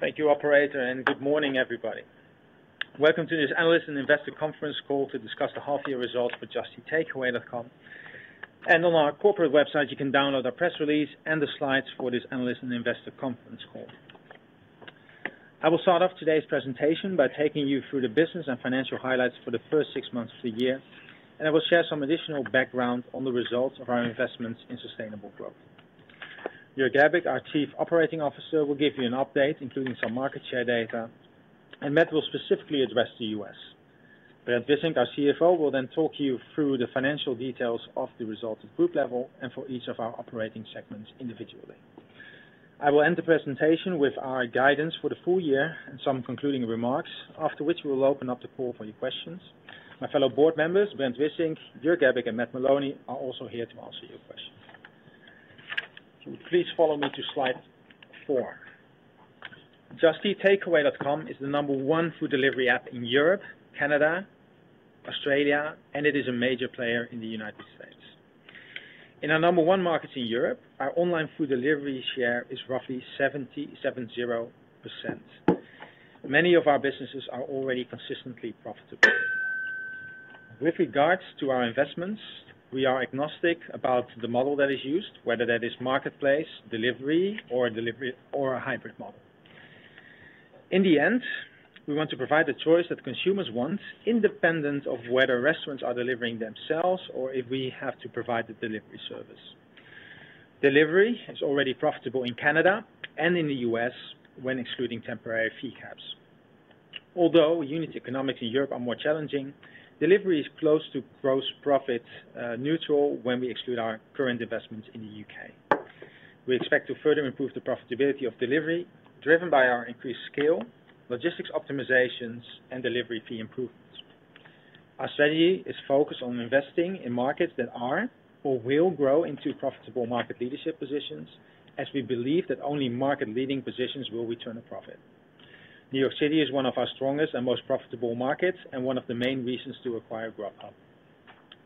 Thank you, Operator, and good morning everybody. Welcome to this analyst and investor conference call to discuss the half-year results for Just Eat Takeaway.com. On our corporate website, you can download our press release and the slides for this analyst and investor conference call. I will start off today's presentation by taking you through the business and financial highlights for the first six months of the year, and I will share some additional background on the results of our investments in sustainable growth. Jörg Gerbig, our Chief Operating Officer, will give you an update, including some market share data, and Matt will specifically address the U.S. Brent Wissink, our CFO, will then talk you through the financial details of the results at group level and for each of our operating segments individually. I will end the presentation with our guidance for the full year and some concluding remarks. After which we will open up the call for your questions. My fellow board members, Brent Wissink, Jörg Gerbig, and Matt Maloney, are also here to answer your questions. If you would please follow me to slide four. Just Eat Takeaway.com is the number one food delivery app in Europe, Canada, Australia, and it is a major player in the United States. In our number one markets in Europe, our online food delivery share is roughly 70%. Many of our businesses are already consistently profitable. With regards to our investments, we are agnostic about the model that is used, whether that is marketplace, delivery or a hybrid model. In the end, we want to provide the choice that consumers want independent of whether restaurants are delivering themselves or if we have to provide the delivery service. Delivery is already profitable in Canada and in the U.S. when excluding temporary fee caps. Although unit economics in Europe are more challenging, delivery is close to gross profit neutral when we exclude our current investments in the U.K. We expect to further improve the profitability of delivery driven by our increased scale, logistics optimizations and delivery fee improvements. Our strategy is focused on investing in markets that are or will grow into profitable market leadership positions, as we believe that only market leading positions will return a profit. New York City is one of our strongest and most profitable markets and one of the main reasons to acquire Grubhub.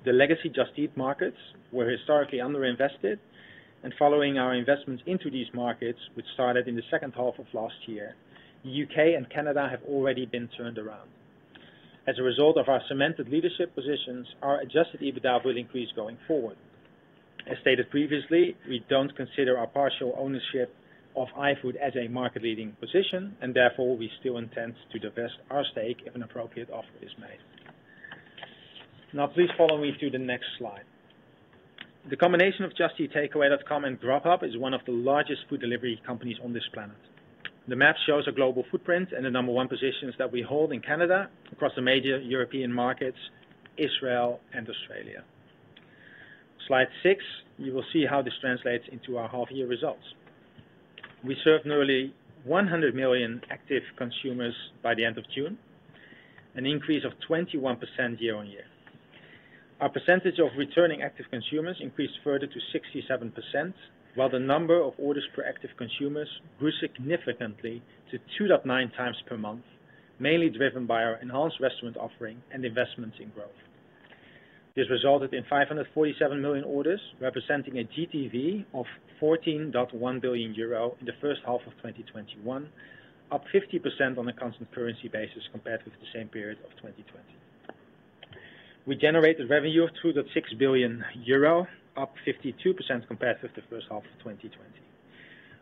The legacy Just Eat markets were historically under-invested and following our investments into these markets, which started in the second half of last year, the U.K. and Canada have already been turned around. As a result of our cemented leadership positions, our adjusted EBITDA will increase going forward. As stated previously, we don't consider our partial ownership of iFood as a market leading position, and therefore, we still intend to divest our stake if an appropriate offer is made. Now please follow me to the next slide. The combination of Just Eat Takeaway.com and Grubhub is one of the largest food delivery companies on this planet. The map shows a global footprint and the number one positions that we hold in Canada across the major European markets, Israel, and Australia. Slide six, you will see how this translates into our half year results. We served nearly 100 million active consumers by the end of June, an increase of 21% year-on-year. Our percentage of returning active consumers increased further to 67%, while the number of orders per active consumers grew significantly to 2.9 times per month, mainly driven by our enhanced restaurant offering and investments in growth. This resulted in 547 million orders, representing a GTV of 14.1 billion euro in the first half of 2021, up 50% on a constant currency basis compared with the same period of 2020. We generated revenue of 2.6 billion euro, up 52% compared with the first half of 2020.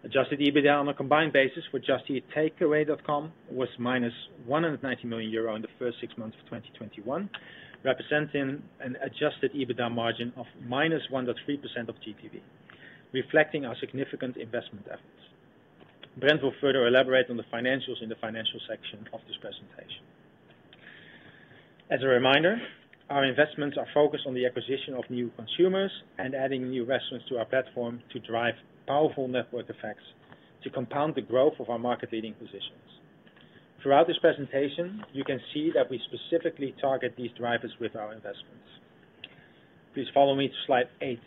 Adjusted EBITDA on a combined basis with Just Eat Takeaway.com was minus 190 million euro in the first six months of 2021, representing an adjusted EBITDA margin of -1.3% of GTV, reflecting our significant investment efforts. Brent will further elaborate on the financials in the financial section of this presentation. As a reminder, our investments are focused on the acquisition of new consumers and adding new restaurants to our platform to drive powerful network effects to compound the growth of our market leading positions. Throughout this presentation, you can see that we specifically target these drivers with our investments. Please follow me to slide eight.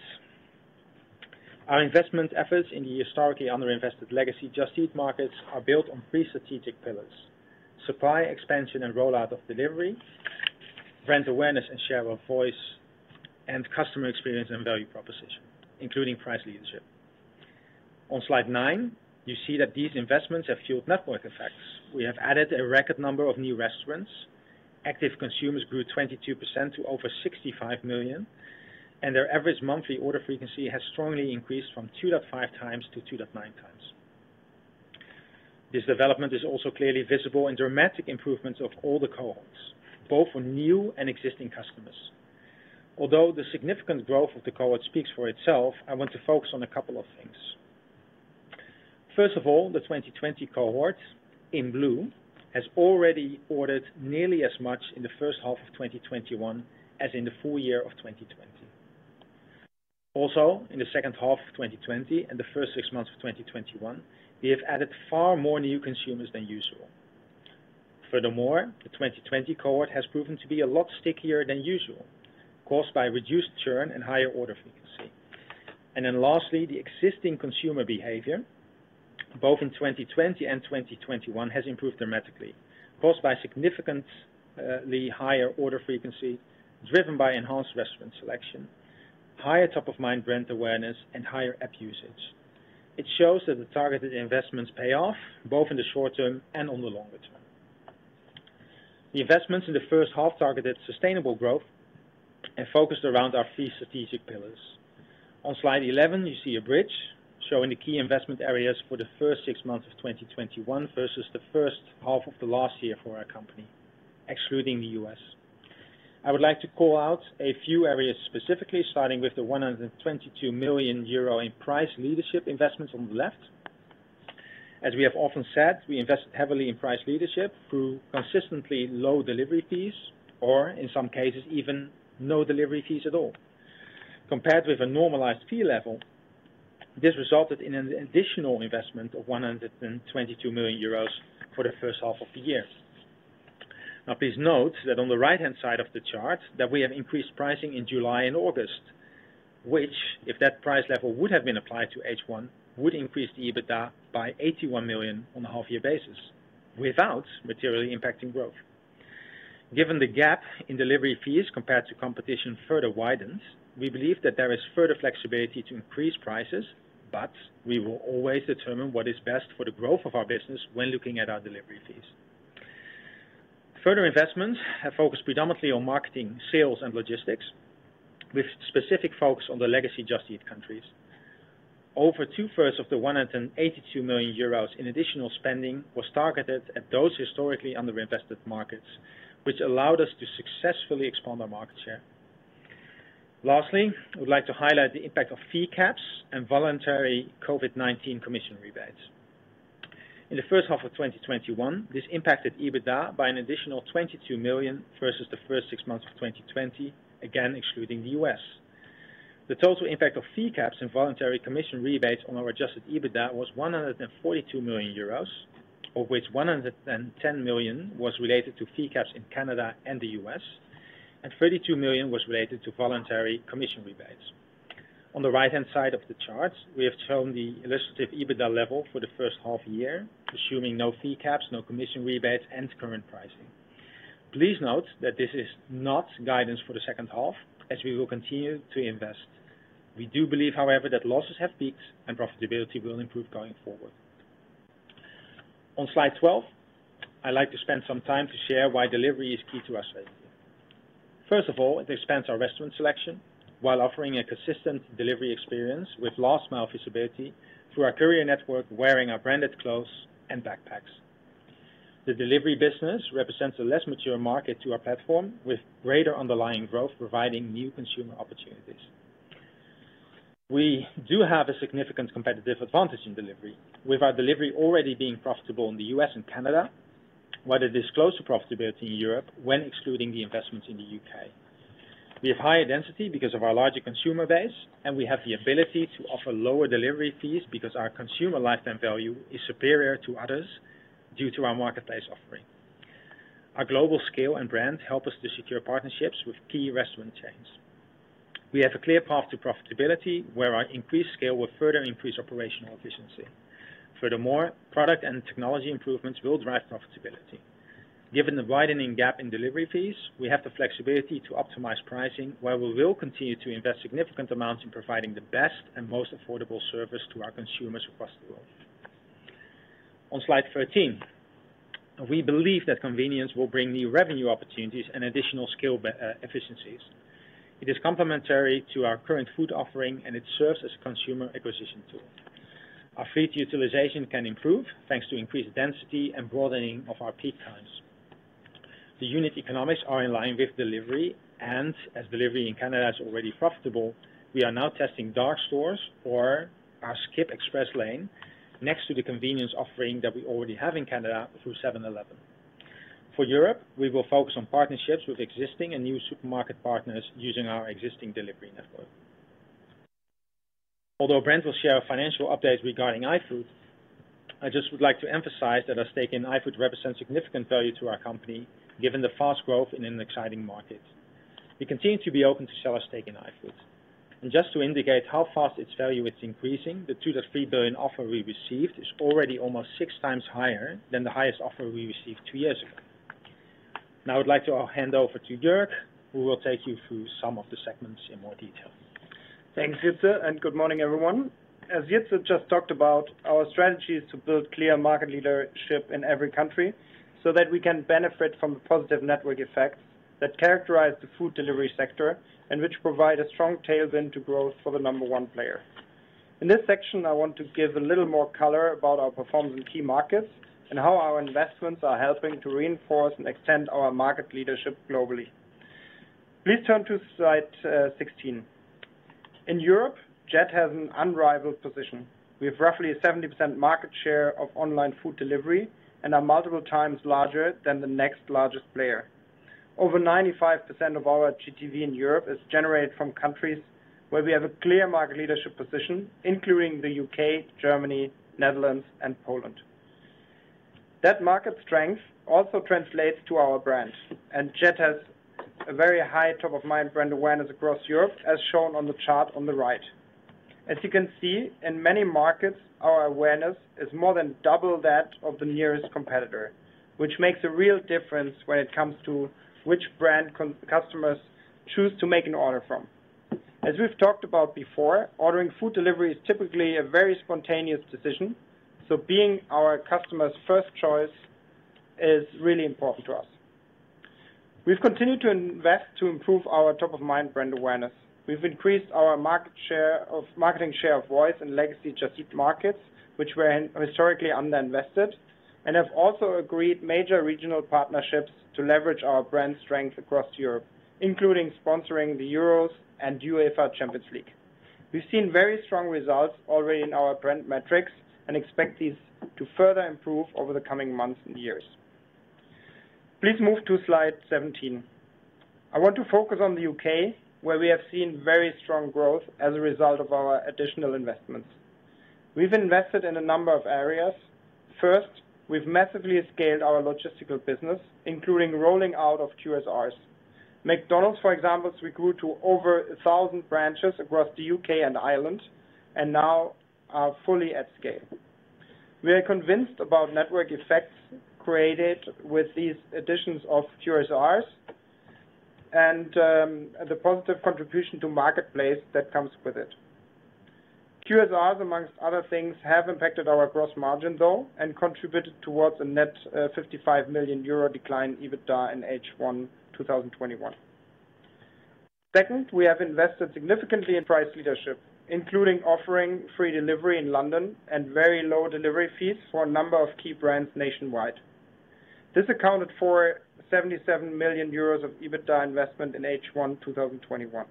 Our investment efforts in the historically under-invested legacy Just Eat markets are built on three strategic pillars, supply expansion and rollout of delivery, brand awareness and share of voice, and customer experience and value proposition, including price leadership. On slide nine, you see that these investments have fueled network effects. We have added a record number of new restaurants. Active consumers grew 22% to over 65 million, and their average monthly order frequency has strongly increased from 2.5 times-2.9 times. This development is also clearly visible in dramatic improvements of all the cohorts, both for new and existing customers. Although the significant growth of the cohort speaks for itself, I want to focus on a couple of things. The 2020 cohort in blue has already ordered nearly as much in the first half of 2021 as in the full year of 2020. In the second half of 2020 and the first six months of 2021, we have added far more new consumers than usual. The 2020 cohort has proven to be a lot stickier than usual, caused by reduced churn and higher order frequency. Lastly, the existing consumer behavior, both in 2020 and 2021, has improved dramatically, caused by significantly higher order frequency driven by enhanced restaurant selection, higher top of mind brand awareness and higher app usage. It shows that the targeted investments pay off, both in the short term and on the longer term. The investments in the first half targeted sustainable growth and focused around our three strategic pillars. On slide 11, you see a bridge showing the key investment areas for the first six months of 2021 versus the first half of the last year for our company, excluding the U.S. I would like to call out a few areas specifically, starting with the 122 million euro in price leadership investments on the left. As we have often said, we invest heavily in price leadership through consistently low delivery fees, or in some cases even no delivery fees at all. Compared with a normalized fee level, this resulted in an additional investment of 122 million euros for the first half of the year. Now please note that on the right-hand side of the chart, that we have increased pricing in July and August, which, if that price level would have been applied to H1, would increase the EBITDA by 81 million on a half year basis, without materially impacting growth. Given the gap in delivery fees compared to competition further widens, we believe that there is further flexibility to increase prices, but we will always determine what is best for the growth of our business when looking at our delivery fees. Further investments have focused predominantly on marketing, sales and logistics, with specific focus on the legacy Just Eat countries. Over two-thirds of the 182 million euros in additional spending was targeted at those historically under invested markets, which allowed us to successfully expand our market share. Lastly, I would like to highlight the impact of fee caps and voluntary COVID-19 commission rebates. In the first half of 2021, this impacted EBITDA by an additional 22 million versus the first six months of 2020, again excluding the U.S. The total impact of fee caps and voluntary commission rebates on our adjusted EBITDA was 142 million euros, of which 110 million was related to fee caps in Canada and the U.S., and 32 million was related to voluntary commission rebates. On the right-hand side of the chart, we have shown the illustrative EBITDA level for the first half year, assuming no fee caps, no commission rebates, and current pricing. Please note that this is not guidance for the second half, as we will continue to invest. We do believe, however, that losses have peaked and profitability will improve going forward. On slide 12, I'd like to spend some time to share why delivery is key to our strategy. First of all, it expands our restaurant selection while offering a consistent delivery experience with last mile visibility through our courier network, wearing our branded clothes and backpacks. The delivery business represents a less mature market to our platform with greater underlying growth, providing new consumer opportunities. We do have a significant competitive advantage in delivery, with our delivery already being profitable in the U.S. and Canada, while it is close to profitability in Europe when excluding the investments in the U.K. We have higher density because of our larger consumer base, and we have the ability to offer lower delivery fees because our consumer lifetime value is superior to others due to our marketplace offering. Our global scale and brand help us to secure partnerships with key restaurant chains. We have a clear path to profitability where our increased scale will further increase operational efficiency. Furthermore, product and technology improvements will drive profitability. Given the widening gap in delivery fees, we have the flexibility to optimize pricing, while we will continue to invest significant amounts in providing the best and most affordable service to our consumers across the world. On slide 13, we believe that convenience will bring new revenue opportunities and additional scale efficiencies. It is complementary to our current food offering, and it serves as a consumer acquisition tool. Our fleet utilization can improve, thanks to increased density and broadening of our peak times. The unit economics are in line with delivery and, as delivery in Canada is already profitable, we are now testing dark stores or our Skip Express Lane next to the convenience offering that we already have in Canada through 7-Eleven. For Europe, we will focus on partnerships with existing and new supermarket partners using our existing delivery network. Although Brent Wissink will share financial updates regarding iFood, I just would like to emphasize that our stake in iFood represents significant value to our company, given the fast growth in an exciting market. We continue to be open to sell our stake in iFood. To indicate how fast its value is increasing, the $2 billion-$3 billion offer we received is already almost six times higher than the highest offer we received two years ago. I would like to hand over to Jörg, who will take you through some of the segments in more detail. Thanks, Jitse. Good morning, everyone. As Jitse just talked about, our strategy is to build clear market leadership in every country so that we can benefit from the positive network effects that characterize the food delivery sector and which provide a strong tailwind to growth for the number one player. In this section, I want to give a little more color about our performance in key markets and how our investments are helping to reinforce and extend our market leadership globally. Please turn to slide 16. In Europe, JET has an unrivaled position. We have roughly a 70% market share of online food delivery and are multiple times larger than the next largest player. Over 95% of our GTV in Europe is generated from countries where we have a clear market leadership position, including the U.K., Germany, Netherlands, and Poland. That market strength also translates to our brand, and JET has a very high top of mind brand awareness across Europe, as shown on the chart on the right. As you can see, in many markets, our awareness is more than double that of the nearest competitor, which makes a real difference when it comes to which brand customers choose to make an order from. As we've talked about before, ordering food delivery is typically a very spontaneous decision, so being our customers' first choice is really important to us. We've continued to invest to improve our top of mind brand awareness. We've increased our marketing share of voice in legacy Just Eat markets, which were historically under-invested, and have also agreed major regional partnerships to leverage our brand strength across Europe, including sponsoring the Euros and UEFA Champions League. We've seen very strong results already in our brand metrics and expect these to further improve over the coming months and years. Please move to slide 17. I want to focus on the U.K., where we have seen very strong growth as a result of our additional investments. We've invested in a number of areas. First, we've massively scaled our logistical business, including rolling out of QSRs. McDonald's, for example, we grew to over 1,000 branches across the U.K. and Ireland and now are fully at scale. We are convinced about network effects created with these additions of QSRs and the positive contribution to marketplace that comes with it. QSRs, amongst other things, have impacted our gross margin though, and contributed towards a net 55 million euro decline in EBITDA in H1 2021. Second, we have invested significantly in price leadership, including offering free delivery in London and very low delivery fees for a number of key brands nationwide. This accounted for 77 million euros of EBITDA investment in H1 2021.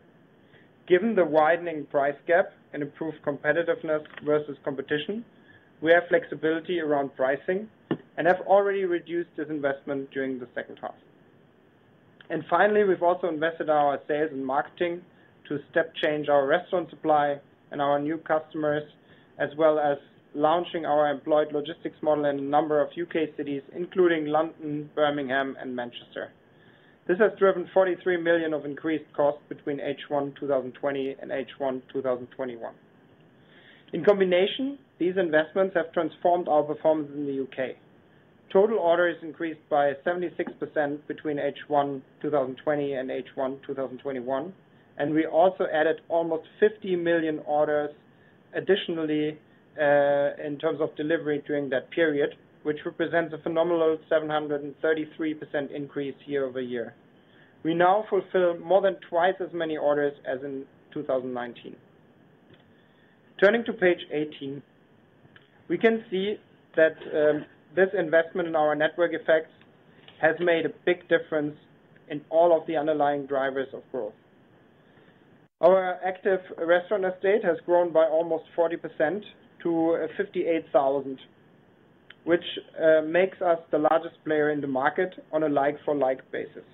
Given the widening price gap and improved competitiveness versus competition, we have flexibility around pricing and have already reduced this investment during the second half. We've also invested our sales and marketing to step change our restaurant supply and our new customers, as well as launching our employed logistics model in a number of UK cities, including London, Birmingham, and Manchester. This has driven 43 million of increased cost between H1 2020 and H1 2021. In combination, these investments have transformed our performance in the U.K. Total orders increased by 76% between H1 2020 and H1 2021, and we also added almost 50 million orders additionally, in terms of delivery during that period, which represents a phenomenal 733% increase year-over-year. We now fulfill more than twice as many orders as in 2019. Turning to page 18, we can see that this investment in our network effects has made a big difference in all of the underlying drivers of growth. Our active restaurant estate has grown by almost 40% to 58,000 restaurants, which makes us the largest player in the market on a like for like basis.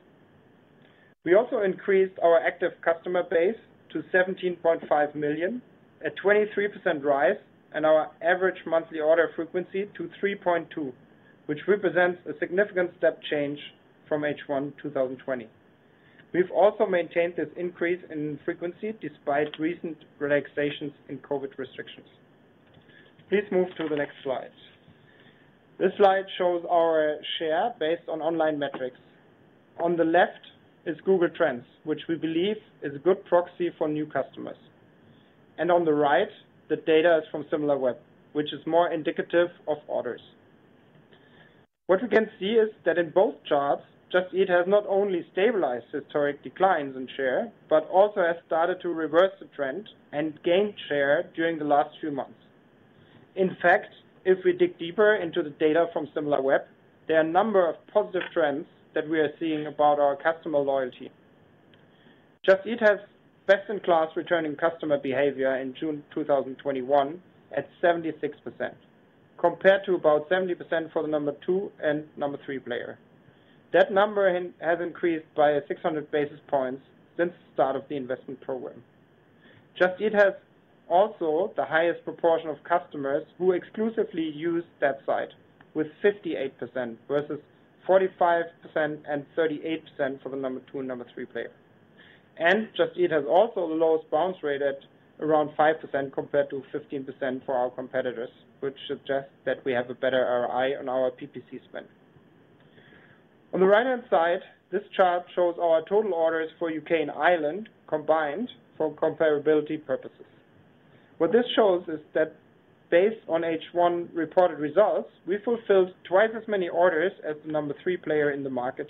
We also increased our active customer base to 17.5 million, a 23% rise and our average monthly order frequency to 3.2 times, which represents a significant step change from H1 2020. We've also maintained this increase in frequency despite recent relaxations in COVID restrictions. Please move to the next slide. This slide shows our share based on online metrics. On the left is Google Trends, which we believe is a good proxy for new customers. On the right, the data is from Similarweb, which is more indicative of orders. What we can see is that in both charts, Just Eat has not only stabilized historic declines in share, but also has started to reverse the trend and gain share during the last few months. In fact, if we dig deeper into the data from Similarweb, there are a number of positive trends that we are seeing about our customer loyalty. Just Eat has best in class returning customer behavior in June 2021 at 76%, compared to about 70% for the number 2 and number 3 player. That number has increased by 600 basis points since the start of the investment program. Just Eat has also the highest proportion of customers who exclusively use that site with 58%, versus 45% and 38% for the number 2 and number 3 player. Just Eat has also the lowest bounce rate at around 5% compared to 15% for our competitors, which suggests that we have a better ROI on our PPC spend. On the right-hand side, this chart shows our total orders for U.K. and Ireland combined for comparability purposes. What this shows is that based on H1 reported results, we fulfilled twice as many orders as the number 3 player in the market.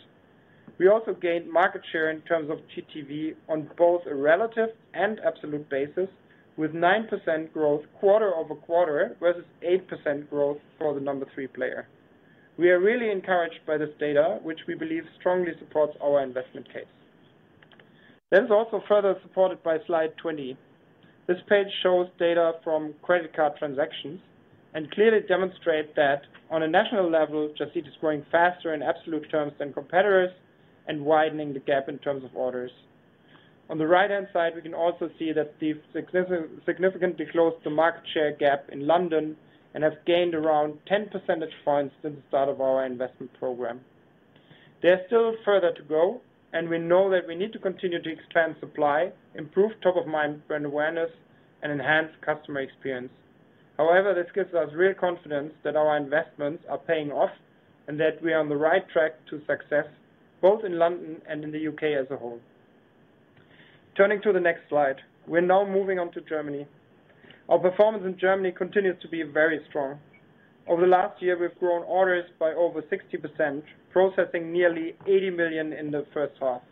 We also gained market share in terms of GTV on both a relative and absolute basis with 9% growth quarter-over-quarter, versus 8% growth for the number 3 player. We are really encouraged by this data, which we believe strongly supports our investment case. That is also further supported by slide 20. This page shows data from credit card transactions and clearly demonstrate that on a national level, Just Eat is growing faster in absolute terms than competitors and widening the gap in terms of orders. On the right-hand side, we can also see that we've significantly closed the market share gap in London and have gained around 10 percentage points since the start of our investment program. There's still further to go, and we know that we need to continue to expand supply, improve top-of-mind brand awareness, and enhance customer experience. However, this gives us real confidence that our investments are paying off and that we are on the right track to success, both in London and in the U.K. as a whole. Turning to the next slide. We're now moving on to Germany. Our performance in Germany continues to be very strong. Over the last year, we've grown orders by over 60%, processing nearly 80 million in the first half.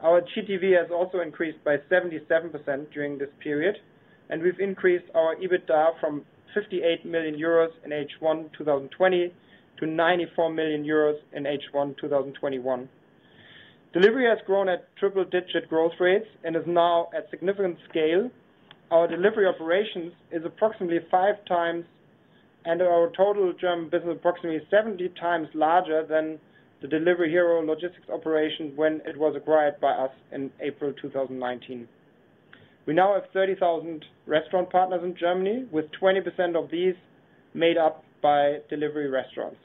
Our GTV has also increased by 77% during this period, and we've increased our EBITDA from 58 million euros in H1 2020 to 94 million euros in H1 2021. Delivery has grown at triple-digit growth rates and is now at significant scale. Our delivery operations is approximately five times and our total German business is approximately 70 times larger than the Delivery Hero logistics operation when it was acquired by us in April 2019. We now have 30,000 restaurant partners in Germany, with 20% of these made up by delivery restaurants.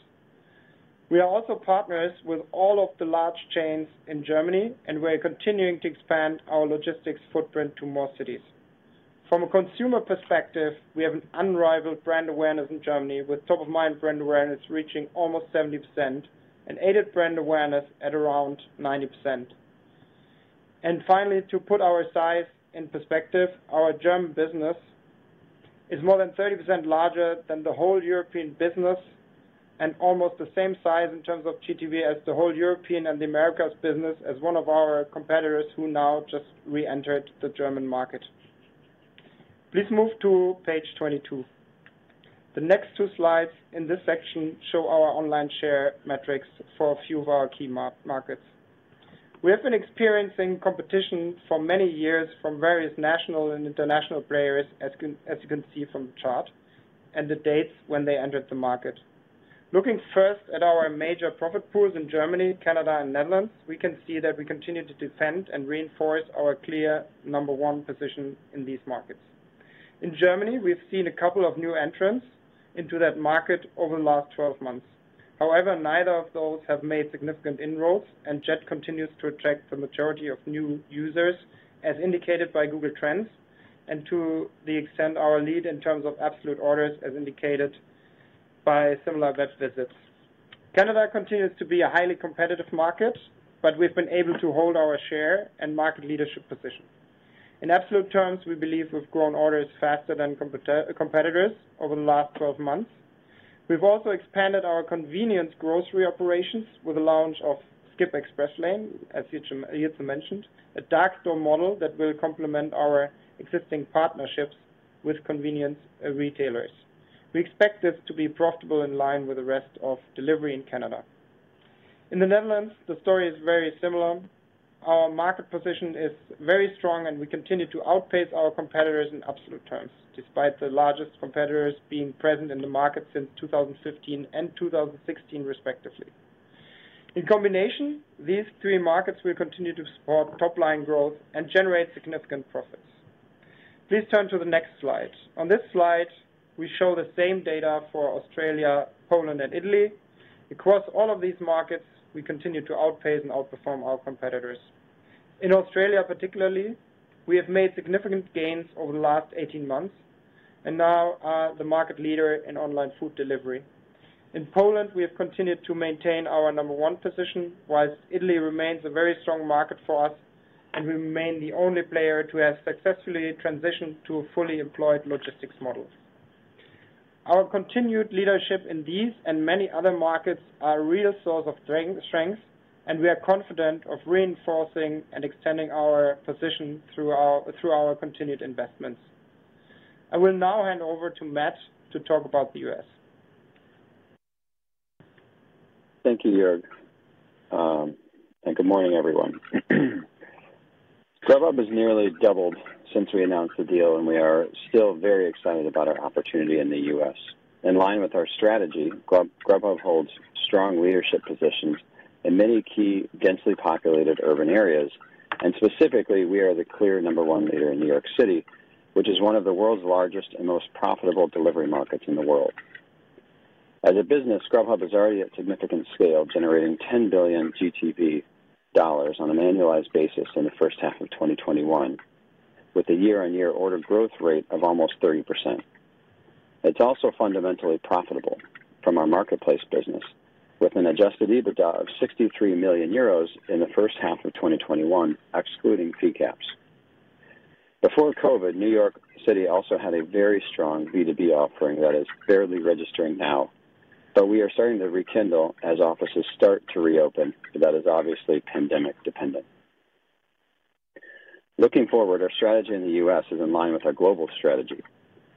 We are also partners with all of the large chains in Germany, we're continuing to expand our logistics footprint to more cities. From a consumer perspective, we have an unrivaled brand awareness in Germany, with top-of-mind brand awareness reaching almost 70% and aided brand awareness at around 90%. Finally, to put our size in perspective, our German business is more than 30% larger than the whole European business and almost the same size in terms of GTV as the whole European and Americas business as one of our competitors who now just reentered the German market. Please move to page 22. The next two slides in this section show our online share metrics for a few of our key markets. We have been experiencing competition for many years from various national and international players, as you can see from the chart and the dates when they entered the market. Looking first at our major profit pools in Germany, Canada, and Netherlands, we can see that we continue to defend and reinforce our clear number one position in these markets. In Germany, we've seen a couple of new entrants into that market over the last 12 months. However, neither of those have made significant inroads, and Just continues to attract the majority of new users, as indicated by Google Trends, and to the extent our lead in terms of absolute orders, as indicated by Similarweb visits. Canada continues to be a highly competitive market, but we've been able to hold our share and market leadership position. In absolute terms, we believe we've grown orders faster than competitors over the last 12 months. We've also expanded our convenience grocery operations with the launch of Skip Express Lane, as Jitse mentioned, a dark store model that will complement our existing partnerships with convenience retailers. We expect this to be profitable in line with the rest of delivery in Canada. In the Netherlands, the story is very similar. Our market position is very strong, and we continue to outpace our competitors in absolute terms, despite the largest competitors being present in the market since 2015 and 2016, respectively. In combination, these three markets will continue to support top-line growth and generate significant profits. Please turn to the next slide. On this slide, we show the same data for Australia, Poland, and Italy. Across all of these markets, we continue to outpace and outperform our competitors. In Australia particularly, we have made significant gains over the last 18 months and now are the market leader in online food delivery. In Poland, we have continued to maintain our number one position, while Italy remains a very strong market for us, and we remain the only player to have successfully transitioned to a fully employed logistics model. Our continued leadership in these and many other markets are a real source of strength, and we are confident of reinforcing and extending our position through our continued investments. I will now hand over to Matt to talk about the U.S. Thank you, Jörg. Good morning, everyone. Grubhub has nearly doubled since we announced the deal, and we are still very excited about our opportunity in the U.S. In line with our strategy, Grubhub holds strong leadership positions in many key, densely populated urban areas. Specifically, we are the clear number one leader in New York City, which is one of the world's largest and most profitable delivery markets in the world. As a business, Grubhub is already at significant scale, generating $10 billion GTV on an annualized basis in the first half of 2021, with a year-on-year order growth rate of almost 30%. It's also fundamentally profitable from our marketplace business, with an adjusted EBITDA of 63 million euros in the first half of 2021, excluding fee caps. Before COVID, New York City also had a very strong B2B offering that is barely registering now. We are starting to rekindle as offices start to reopen. That is obviously pandemic dependent. Looking forward, our strategy in the U.S. is in line with our global strategy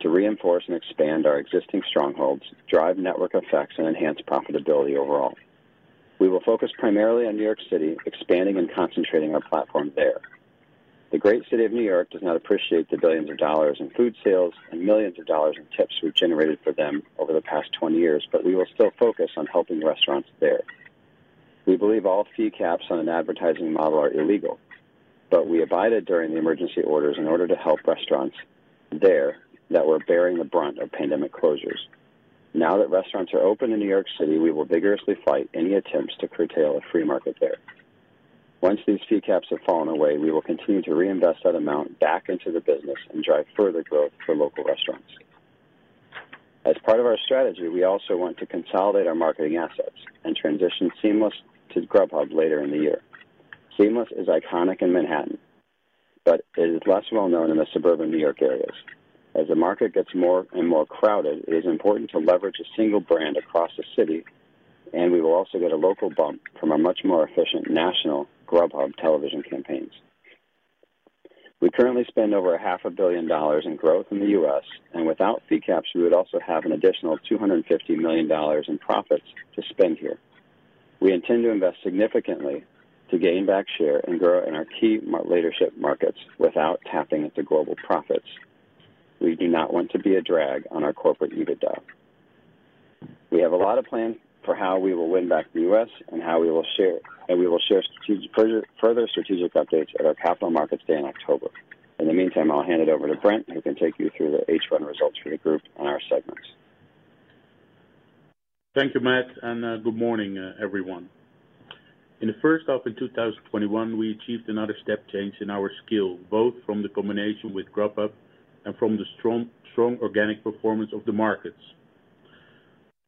to reinforce and expand our existing strongholds, drive network effects, and enhance profitability overall. We will focus primarily on New York City, expanding and concentrating our platform there. The great city of New York does not appreciate the billions of dollars in food sales and millions of dollars in tips we've generated for them over the past 20 years. We will still focus on helping restaurants there. We believe all fee caps on an advertising model are illegal. We abided during the emergency orders in order to help restaurants there that were bearing the brunt of pandemic closures. Now that restaurants are open in New York City, we will vigorously fight any attempts to curtail a free market there. Once these fee caps have fallen away, we will continue to reinvest that amount back into the business and drive further growth for local restaurants. As part of our strategy, we also want to consolidate our marketing assets and transition Seamless to Grubhub later in the year. Seamless is iconic in Manhattan, but it is less well-known in the suburban New York areas. As the market gets more and more crowded, it is important to leverage a single brand across the city, and we will also get a local bump from a much more efficient national Grubhub television campaigns. We currently spend over a $500 billion in growth in the U.S., and without fee caps, we would also have an additional $250 million in profits to spend here. We intend to invest significantly to gain back share and grow in our key leadership markets without tapping into global profits. We do not want to be a drag on our corporate EBITDA. We have a lot of plans for how we will win back the U.S. and we will share further strategic updates at our capital markets day in October. In the meantime, I'll hand it over to Brent, who can take you through the H1 results for the group and our segments. Thank you, Matt, and good morning, everyone. In the first half of 2021, we achieved another step change in our scale, both from the combination with Grubhub and from the strong organic performance of the markets.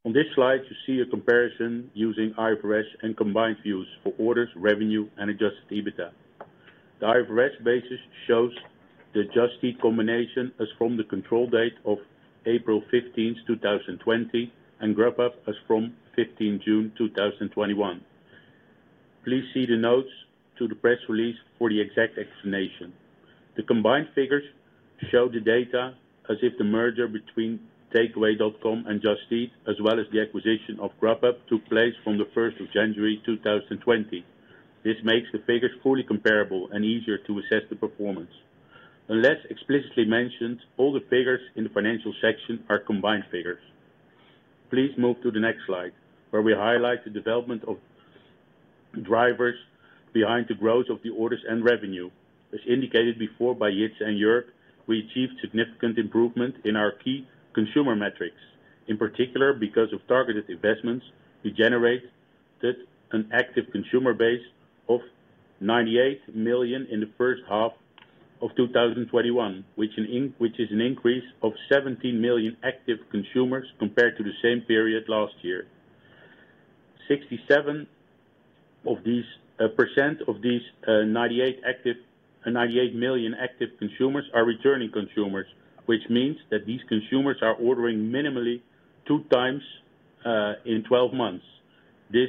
On this slide, you see a comparison using IFRS and combined views for orders, revenue, and adjusted EBITDA. The IFRS basis shows the Just Eat combination as from the control date of April 15th, 2020, and Grubhub as from 15 June 2021. Please see the notes to the press release for the exact explanation. The combined figures show the data as if the merger between Takeaway.com and Just Eat, as well as the acquisition of Grubhub, took place from the 1st of January 2020. This makes the figures fully comparable and easier to assess the performance. Unless explicitly mentioned, all the figures in the financial section are combined figures. Please move to the next slide, where we highlight the development of drivers behind the growth of the orders and revenue. As indicated before by Jitse and Jörg, we achieved significant improvement in our key consumer metrics. In particular, because of targeted investments, we generated an active consumer base of 98 million in the first half of 2021, which is an increase of 17 million active consumers compared to the same period last year. 67% of these 98 million active consumers are returning consumers, which means that these consumers are ordering minimally 2 times in 12 months. This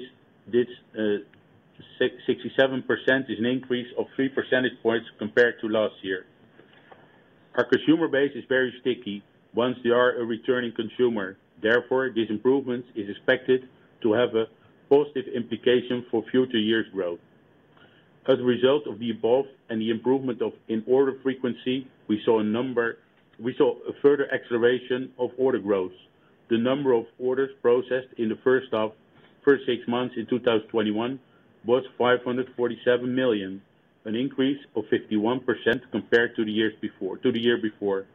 67% is an increase of 3 percentage points compared to last year. Our consumer base is very sticky once they are a returning consumer. Therefore, this improvement is expected to have a positive implication for future years' growth. As a result of the above and the improvement in order frequency, we saw a further acceleration of order growth. The number of orders processed in the first six months in 2021 was 547 million, an increase of 51% compared to the year before.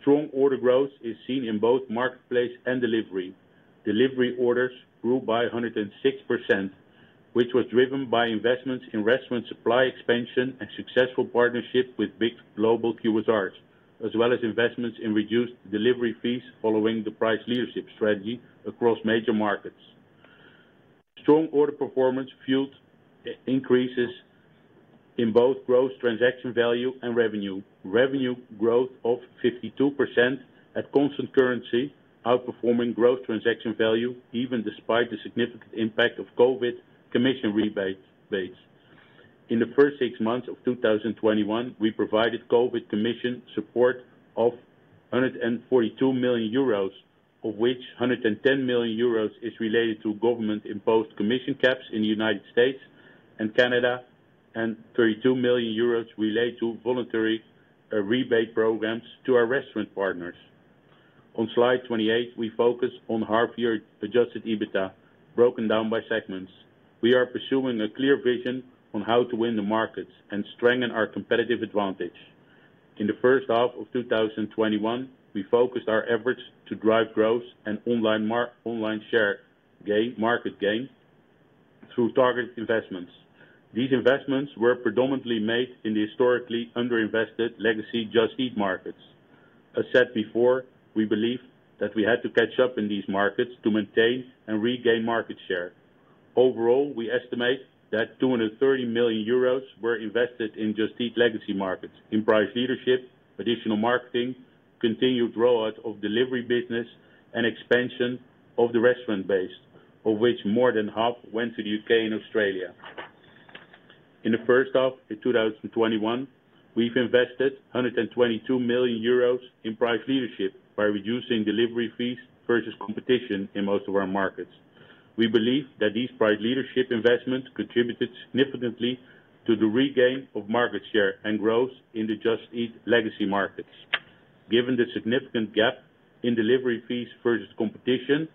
Strong order growth is seen in both marketplace and delivery. Delivery orders grew by 106%, which was driven by investments in restaurant supply expansion and successful partnership with big global QSRs, as well as investments in reduced delivery fees following the price leadership strategy across major markets. Strong order performance fueled increases in both Gross Transaction Value and revenue. Revenue growth of 52% at constant currency, outperforming Gross Transaction Value, even despite the significant impact of COVID commission rebates. In the first six months of 2021, we provided COVID commission support of 142 million euros, of which 110 million euros is related to government-imposed commission caps in the United States and Canada, and 32 million euros relate to voluntary rebate programs to our restaurant partners. On slide 28, we focus on half-year adjusted EBITDA, broken down by segments. We are pursuing a clear vision on how to win the markets and strengthen our competitive advantage. In the first half of 2021, we focused our efforts to drive growth and online market share gain through targeted investments. These investments were predominantly made in the historically underinvested legacy Just Eat markets. As said before, we believe that we had to catch up in these markets to maintain and regain market share. Overall, we estimate that 230 million euros were invested in Just Eat legacy markets in price leadership, additional marketing, continued rollout of delivery business, and expansion of the restaurant base, of which more than half went to the U.K. and Australia. In the first half of 2021, we've invested 122 million euros in price leadership by reducing delivery fees versus competition in most of our markets. We believe that these price leadership investments contributed significantly to the regain of market share and growth in the Just Eat legacy markets. Given the significant gap in delivery fees versus competition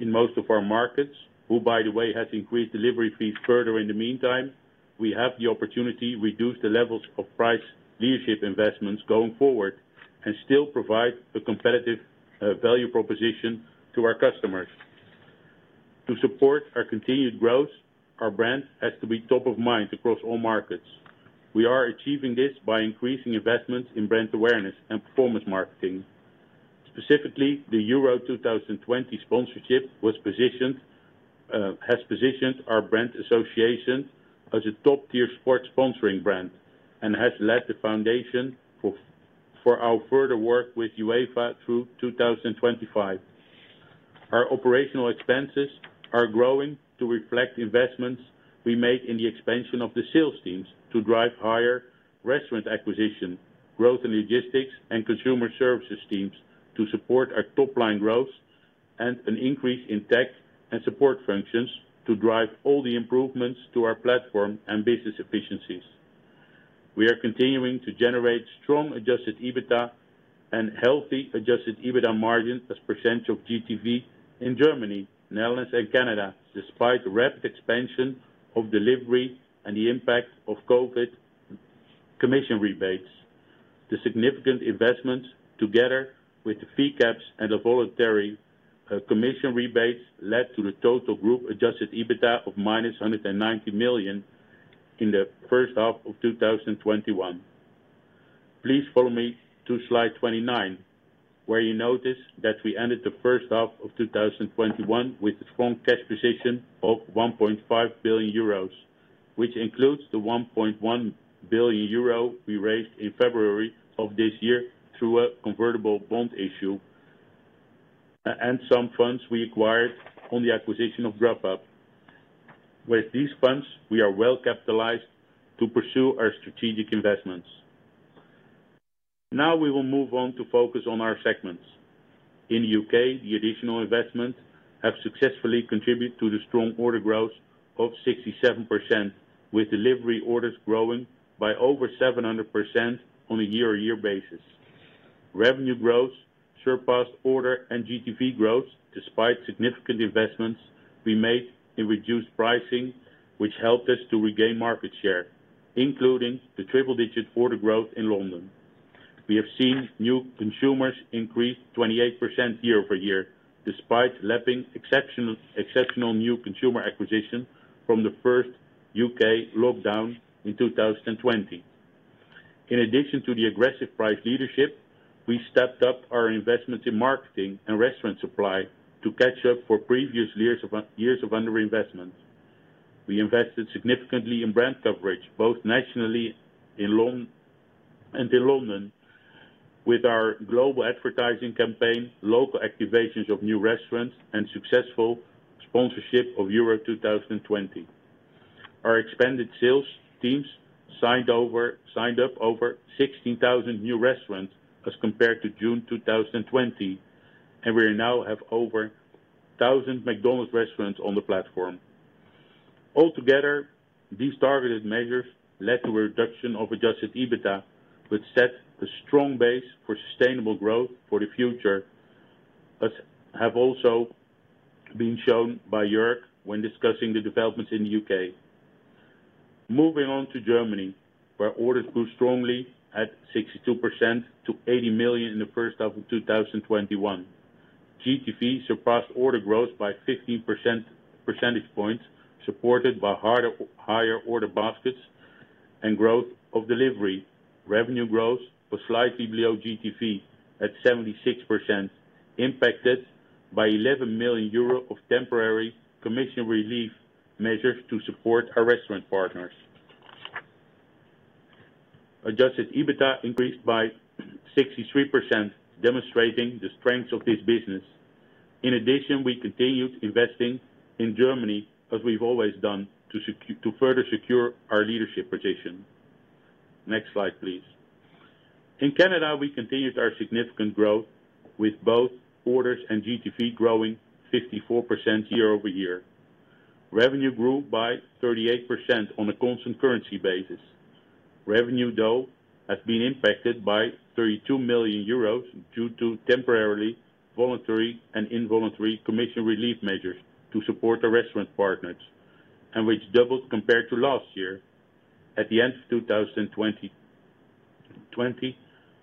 in most of our markets, who by the way, has increased delivery fees further in the meantime, we have the opportunity reduce the levels of price leadership investments going forward and still provide a competitive value proposition to our customers. To support our continued growth, our brand has to be top of mind across all markets. We are achieving this by increasing investments in brand awareness and performance marketing. Specifically, the UEFA EURO 2020 sponsorship has positioned our brand association as a top-tier sports sponsoring brand, and has laid the foundation for our further work with UEFA through 2025. Our operational expenses are growing to reflect investments we made in the expansion of the sales teams to drive higher restaurant acquisition, growth in logistics and consumer services teams to support our top-line growth, and an increase in tech and support functions to drive all the improvements to our platform and business efficiencies. We are continuing to generate strong adjusted EBITDA and healthy adjusted EBITDA margins as a percentage of GTV in Germany, Netherlands, and Canada, despite the rapid expansion of delivery and the impact of COVID commission rebates. The significant investments together with the fee caps and the voluntary commission rebates led to the total group adjusted EBITDA of -190 million in the first half of 2021. Please follow me to slide 29, where you notice that we ended the first half of 2021 with a strong cash position of 1.5 billion euros, which includes the 1.1 billion euro we raised in February of this year through a convertible bond issue and some funds we acquired on the acquisition of Grubhub. With these funds, we are well capitalized to pursue our strategic investments. Now we will move on to focus on our segments. In U.K., the additional investments have successfully contributed to the strong order growth of 67%, with delivery orders growing by over 700% on a year-on-year basis. Revenue growth surpassed order and GTV growth despite significant investments we made in reduced pricing, which helped us to regain market share, including the triple-digit order growth in London. We have seen new consumers increase 28% year-over-year despite lapping exceptional new consumer acquisition from the first U.K. lockdown in 2020. In addition to the aggressive price leadership, we stepped up our investments in marketing and restaurant supply to catch up for previous years of underinvestment. We invested significantly in brand coverage, both nationally and in London, with our global advertising campaign, local activations of new restaurants, and successful sponsorship of UEFA Euro 2020. Our expanded sales teams signed up over 16,000 new restaurants as compared to June 2020, and we now have over 1,000 McDonald's restaurants on the platform. Altogether, these targeted measures led to a reduction of adjusted EBITDA, which set the strong base for sustainable growth for the future, as have also been shown by Jörg when discussing the developments in the U.K. Moving on to Germany, where orders grew strongly at 62% to 80 million in the first half of 2021. GTV surpassed order growth by 15 percentage points, supported by higher order baskets and growth of delivery. Revenue growth was slightly below GTV at 76%, impacted by 11 million euro of temporary commission relief measures to support our restaurant partners. Adjusted EBITDA increased by 63%, demonstrating the strength of this business. In addition, we continued investing in Germany as we've always done to further secure our leadership position. Next slide, please. In Canada, we continued our significant growth with both orders and GTV growing 54% year-over-year. Revenue grew by 38% on a constant currency basis. Revenue, though, has been impacted by 32 million euros due to temporarily voluntary and involuntary commission relief measures to support the restaurant partners, and which doubled compared to last year. At the end of 2020,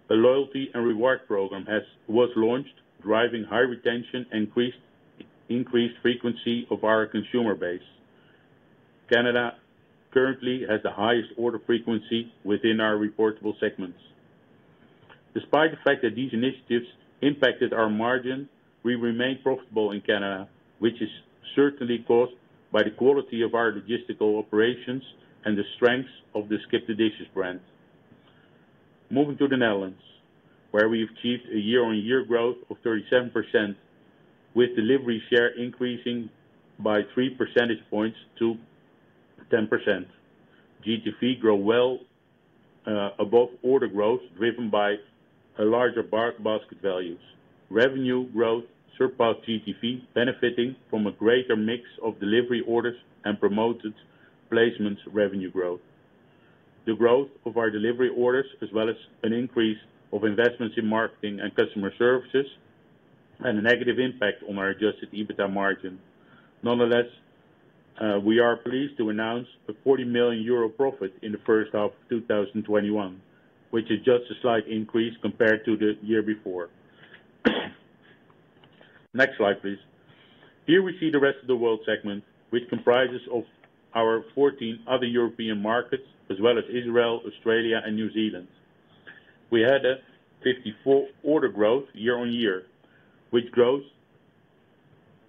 a loyalty and reward program was launched, driving high retention, increased frequency of our consumer base. Canada currently has the highest order frequency within our reportable segments. Despite the fact that these initiatives impacted our margin, we remain profitable in Canada, which is certainly caused by the quality of our logistical operations and the strength of the SkipTheDishes brand. Moving to the Netherlands, where we achieved a year-on-year growth of 37%, with delivery share increasing by 3 percentage points to 10%. GTV grow well above order growth, driven by larger basket values. Revenue growth surpassed GTV, benefiting from a greater mix of delivery orders and promoted placements revenue growth. The growth of our delivery orders, as well as an increase of investments in marketing and customer services, had a negative impact on our adjusted EBITDA margin. Nonetheless, we are pleased to announce a 40 million euro profit in the first half of 2021, which is just a slight increase compared to the year before. Next slide, please. Here we see the Rest of the World segment, which comprises of our 14 other European markets as well as Israel, Australia, and New Zealand. We had a 54 order growth year-on-year, with growth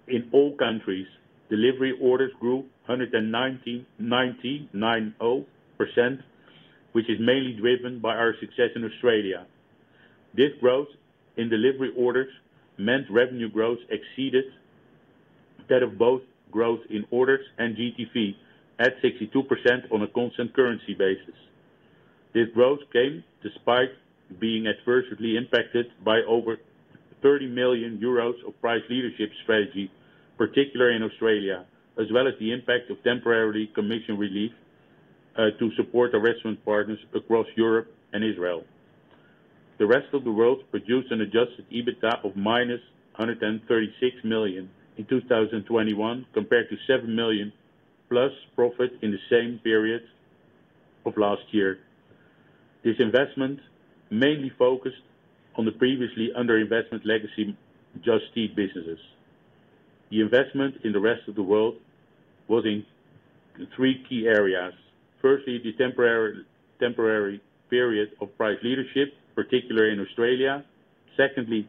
in all countries. Delivery orders grew 190%, which is mainly driven by our success in Australia. This growth in delivery orders meant revenue growth exceeded that of both growth in orders and GTV at 62% on a constant currency basis. This growth came despite being adversely impacted by over 30 million euros of price leadership strategy, particularly in Australia, as well as the impact of temporary commission relief to support the restaurant partners across Europe and Israel. The Rest of the World produced an adjusted EBITDA of -136 million in 2021 compared to 7 million+ profit in the same period of last year. This investment mainly focused on the previously under-investment legacy Just Eat businesses. The investment in the Rest of the World was in three key areas. Firstly, the temporary period of price leadership, particularly in Australia. Secondly,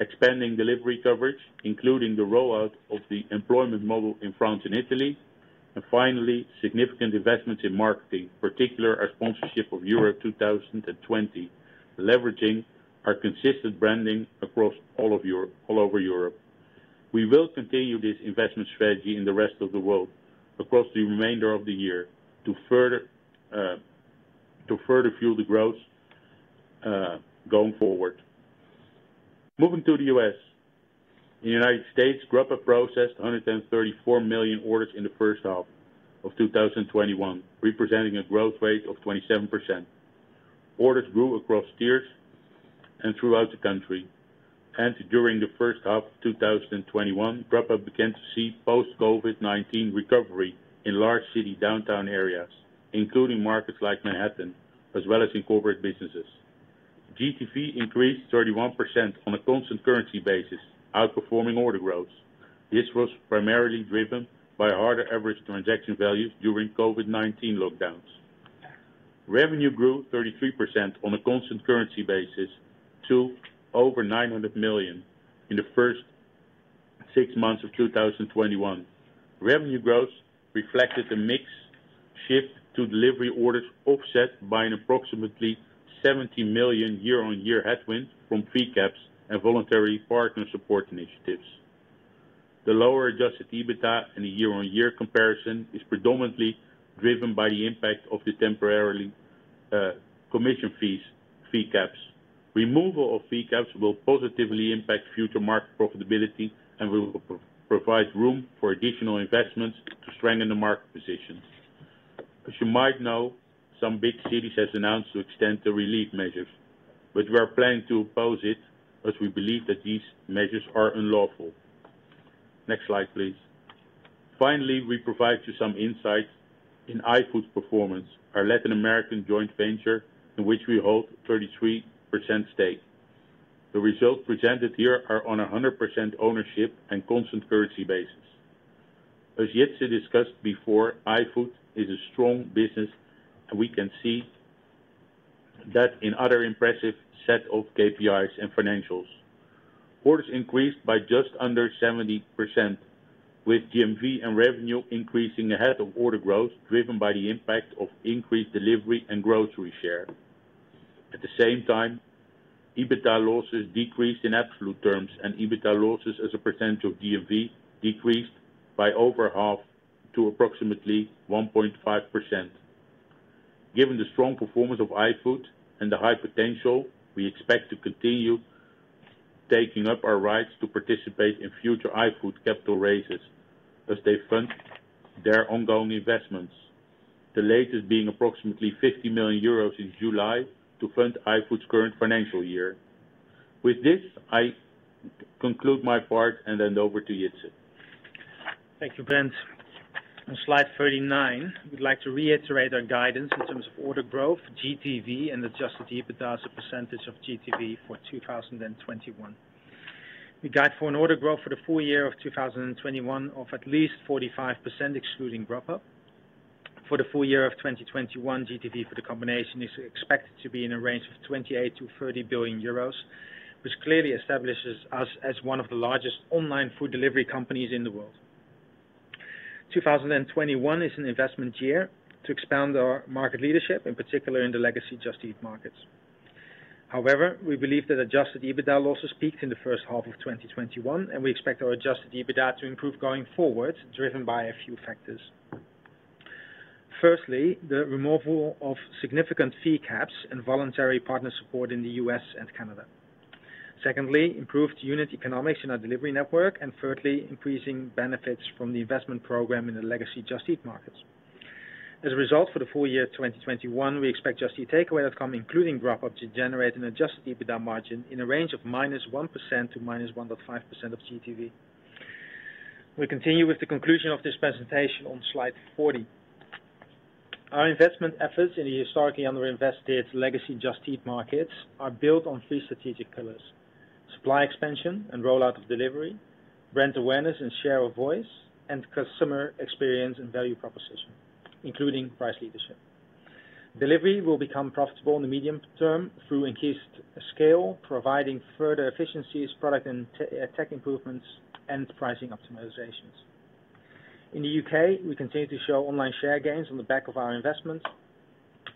expanding delivery coverage, including the rollout of the employment model in France and Italy. Finally, significant investments in marketing, particularly our sponsorship of UEFA Euro 2020, leveraging our consistent branding across all over Europe. We will continue this investment strategy in the Rest of the World across the remainder of the year to further fuel the growth going forward. Moving to the U.S. The United States Grubhub processed 134 million orders in the first half of 2021, representing a growth rate of 27%. Orders grew across tiers and throughout the country. During the first half of 2021, Grubhub began to see post-COVID-19 recovery in large city downtown areas, including markets like Manhattan, as well as in corporate businesses. GTV increased 31% on a constant currency basis, outperforming order growth. This was primarily driven by a higher average transaction value during COVID-19 lockdowns. Revenue grew 33% on a constant currency basis to over 900 million in the first six months of 2021. Revenue growth reflected a mix shift to delivery orders offset by an approximately 70 million year-on-year headwind from fee caps and voluntary partner support initiatives. The lower adjusted EBITDA in the year-on-year comparison is predominantly driven by the impact of the temporary commission fee caps. Removal of fee caps will positively impact future market profitability and will provide room for additional investments to strengthen the market position. As you might know, some big cities have announced to extend the relief measures, we are planning to oppose it as we believe that these measures are unlawful. Next slide, please. Finally, we provide you some insights in iFood's performance, our Latin American joint venture in which we hold 33% stake. The results presented here are on 100% ownership and constant currency basis. As Jitse discussed before, iFood is a strong business, and we can see that in other impressive set of KPIs and financials. Orders increased by just under 70%, with GMV and revenue increasing ahead of order growth, driven by the impact of increased delivery and grocery share. At the same time, EBITDA losses decreased in absolute terms, and EBITDA losses as a percentage of GMV decreased by over half to approximately 1.5%. Given the strong performance of iFood and the high potential, we expect to continue taking up our rights to participate in future iFood capital raises as they fund their ongoing investments, the latest being approximately 50 million euros in July to fund iFood's current financial year. With this, I conclude my part and hand over to Jitse. Thank you, Brent. On slide 39, we would like to reiterate our guidance in terms of order growth, GTV, and adjusted EBITDA as a percentage of GTV for 2021. We guide for an order growth for the full year of 2021 of at least 45%, excluding Grubhub. For the full year of 2021, GTV for the combination is expected to be in a range of 28 billion-30 billion euros, which clearly establishes us as one of the largest online food delivery companies in the world. 2021 is an investment year to expand our market leadership, in particular in the legacy Just Eat markets. We believe that adjusted EBITDA losses peaked in the first half of 2021, and we expect our adjusted EBITDA to improve going forward, driven by a few factors. The removal of significant fee caps and voluntary partner support in the U.S. and Canada. Improved unit economics in our delivery network, increasing benefits from the investment program in the legacy Just Eat markets. As a result, for the full year 2021, we expect Just Eat Takeaway.com, including Grubhub, to generate an adjusted EBITDA margin in a range of -1% to -1.5% of GTV. We continue with the conclusion of this presentation on slide 40. Our investment efforts in the historically under-invested legacy Just Eat markets are built on three strategic pillars: supply expansion and rollout of delivery, brand awareness and share of voice, and customer experience and value proposition, including price leadership. Delivery will become profitable in the medium term through increased scale, providing further efficiencies, product and tech improvements, and pricing optimizations. In the U.K., we continue to show online share gains on the back of our investments,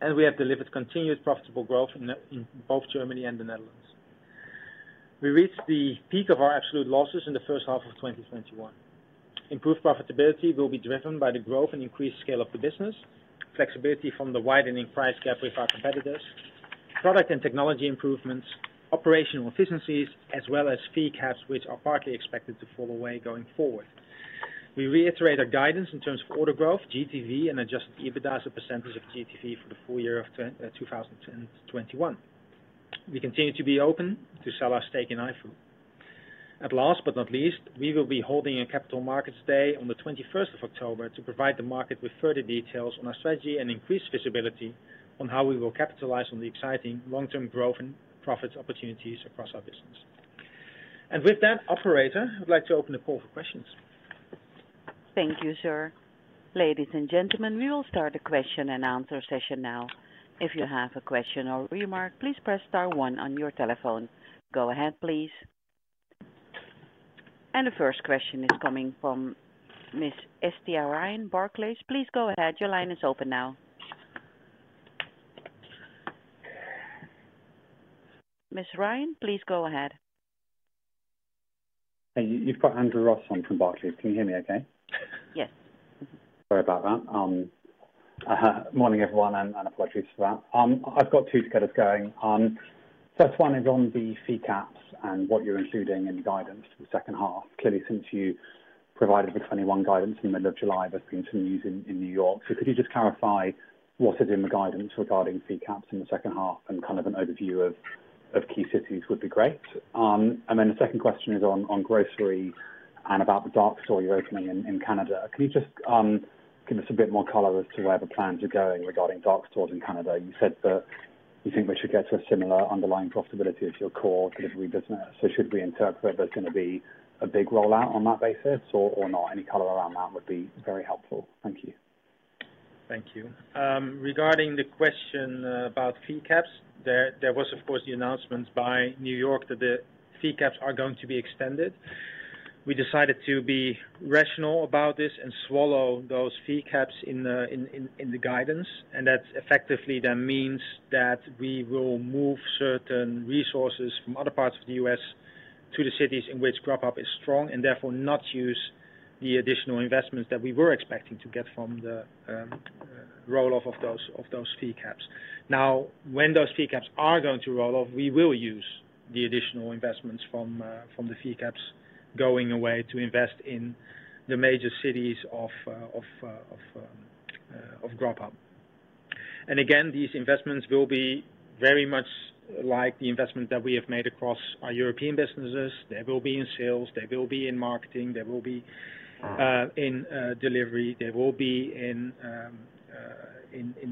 and we have delivered continuous profitable growth in both Germany and the Netherlands. We reached the peak of our absolute losses in the first half of 2021. Improved profitability will be driven by the growth and increased scale of the business, flexibility from the widening price gap with our competitors, product and technology improvements, operational efficiencies, as well as fee caps, which are partly expected to fall away going forward. We reiterate our guidance in terms of order growth, GTV, and adjusted EBITDA as a percentage of GTV for the full year of 2021. We continue to be open to sell our stake in iFood. Last but not least, we will be holding a Capital Markets Day on the 21st of October to provide the market with further details on our strategy and increase visibility on how we will capitalize on the exciting long-term growth and profit opportunities across our business. With that, operator, I would like to open the call for questions. Thank you, sir. Ladies and gentlemen, we will start the question and answer session now. If you have a question or remark, please press star one on your telephone. Go ahead, please. The first question is coming from Ms. Estia Ryan, Barclays. Please go ahead. Your line is open now. Ms. Ryan, please go ahead. You've got Andrew Ross on from Barclays. Can you hear me okay? Yes. Sorry about that. Morning, everyone, and apologies for that. I've got two questions going. First one is on the fee caps and what you're including in the guidance for the second half. Clearly, since you provided the 2021 guidance in the middle of July, there's been some news in New York. Could you just clarify what is in the guidance regarding fee caps in the second half and kind of an overview of key cities would be great. The second question is on groceries and about the dark store you're opening in Canada. Can you just give us a bit more color as to where the plans are going regarding dark stores in Canada? You said that you think we should get to a similar underlying profitability as your core delivery business. Should we interpret there's going to be a big rollout on that basis or not? Any color around that would be very helpful. Thank you. Thank you. Regarding the question about fee caps, there was, of course, the announcement by New York that the fee caps are going to be extended. We decided to be rational about this and swallow those fee caps in the guidance, and that effectively then means that we will move certain resources from other parts of the U.S. to the cities in which Grubhub is strong, and therefore not use the additional investments that we were expecting to get from the roll-off of those fee caps. Now, when those fee caps are going to roll off, we will use the additional investments from the fee caps going away to invest in the major cities of Grubhub. Again, these investments will be very much like the investment that we have made across our European businesses. They will be in sales, they will be in marketing, they will be in delivery. They will be in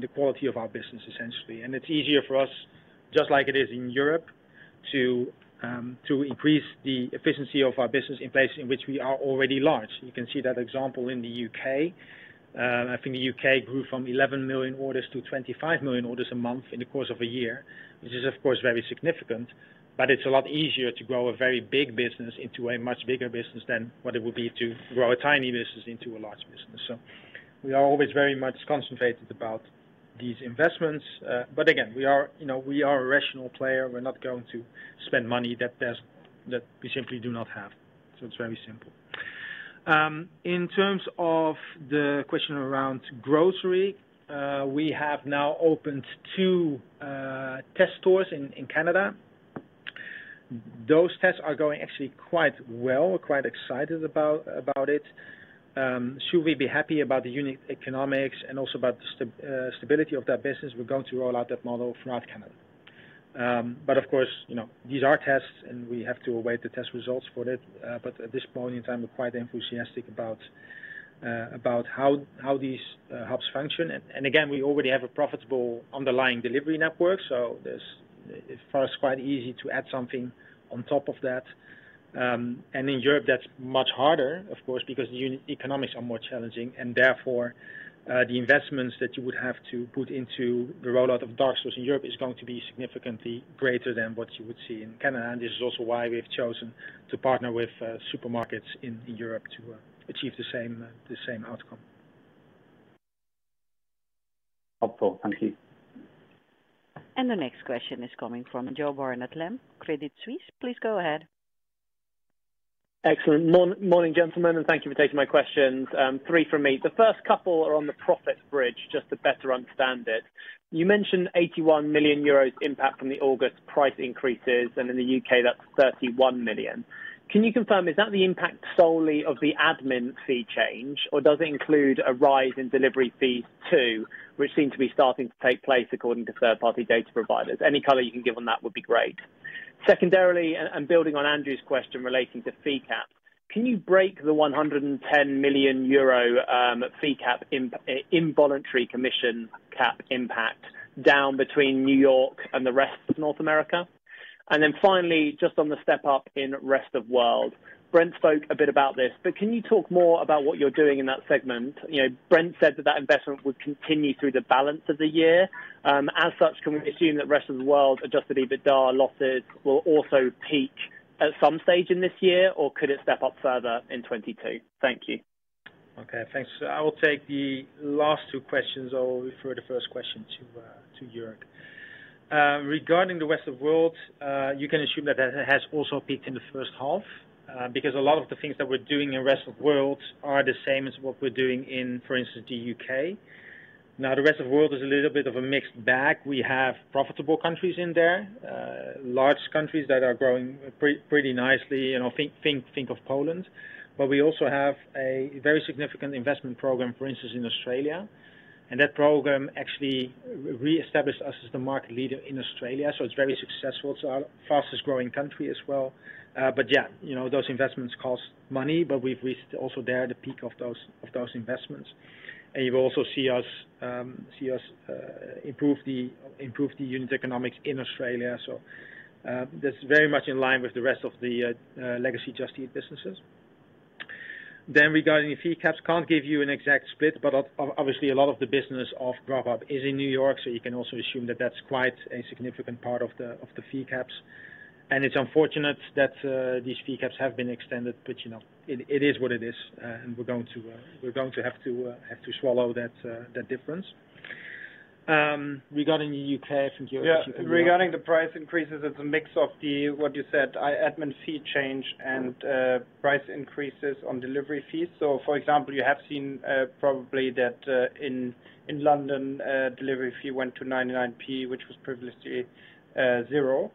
the quality of our business, essentially. It's easier for us, just like it is in Europe, to increase the efficiency of our business in places in which we are already large. You can see that example in the U.K. I think the U.K. grew from 11 million orders to 25 million orders a month in the course of a year, which is, of course, very significant, but it's a lot easier to grow a very big business into a much bigger business than what it would be to grow a tiny business into a large business. We are always very much concentrated about these investments. Again, we are a rational player. We're not going to spend money that we simply do not have. It's very simple. In terms of the question around grocery, we have now opened two test stores in Canada. Those tests are going actually quite well. We're quite excited about it. Should we be happy about the unit economics and also about the stability of that business, we're going to roll out that model throughout Canada. Of course, these are tests, and we have to await the test results for that. At this point in time, we're quite enthusiastic about how these hubs function. Again, we already have a profitable underlying delivery network, so for us, it's quite easy to add something on top of that. In Europe, that's much harder, of course, because the unit economics are more challenging, and therefore, the investments that you would have to put into the rollout of dark stores in Europe is going to be significantly greater than what you would see in Canada. This is also why we have chosen to partner with supermarkets in Europe to achieve the same outcome. Helpful. Thank you. The next question is coming from Joe Barnet-Lamb, Credit Suisse. Please go ahead. Excellent. Morning, gentlemen, thank you for taking my questions. Three from me. The first couple are on the profits bridge, just to better understand it. You mentioned 81 million euros impact from the August price increases, and in the U.K., that's 31 million. Can you confirm, is that the impact solely of the admin fee change, or does it include a rise in delivery fees too, which seem to be starting to take place according to third-party data providers? Any color you can give on that would be great. Secondarily, building on Andrew's question relating to fee cap, can you break the 110 million euro fee cap, involuntary commission cap impact down between New York and the rest of North America? Finally, just on the step up in Rest of World, Brent spoke a bit about this, but can you talk more about what you are doing in that segment? Brent said that that investment would continue through the balance of the year. As such, can we assume that Rest of World adjusted EBITDA losses will also peak at some stage in this year, or could it step up further in 2022? Thank you. Okay, thanks. I will take the last two questions. I will refer the first question to Jörg. Regarding the Rest of World, you can assume that has also peaked in H1, because a lot of the things that we're doing in Rest of World are the same as what we're doing in, for instance, the U.K. The Rest of World is a little bit of a mixed bag. We have profitable countries in there, large countries that are growing pretty nicely. Think of Poland. We also have a very significant investment program, for instance, in Australia, and that program actually reestablished us as the market leader in Australia, so it's very successful. It's our fastest growing country as well. Yeah, those investments cost money, but we're also there at the peak of those investments. You will also see us improve the unit economics in Australia. That's very much in line with the rest of the legacy Just Eat businesses. Regarding the fee caps, can't give you an exact split, but obviously a lot of the business of Grubhub is in New York, so you can also assume that that's quite a significant part of the fee caps. It's unfortunate that these fee caps have been extended, but it is what it is. We're going to have to swallow that difference. Regarding the U.K., I think Jörg can do that. Yeah. Regarding the price increases, it's a mix of the, what you said, admin fee change and price increases on delivery fees. For example, you have seen probably that in London, delivery fee went to 0.99, which was previously zero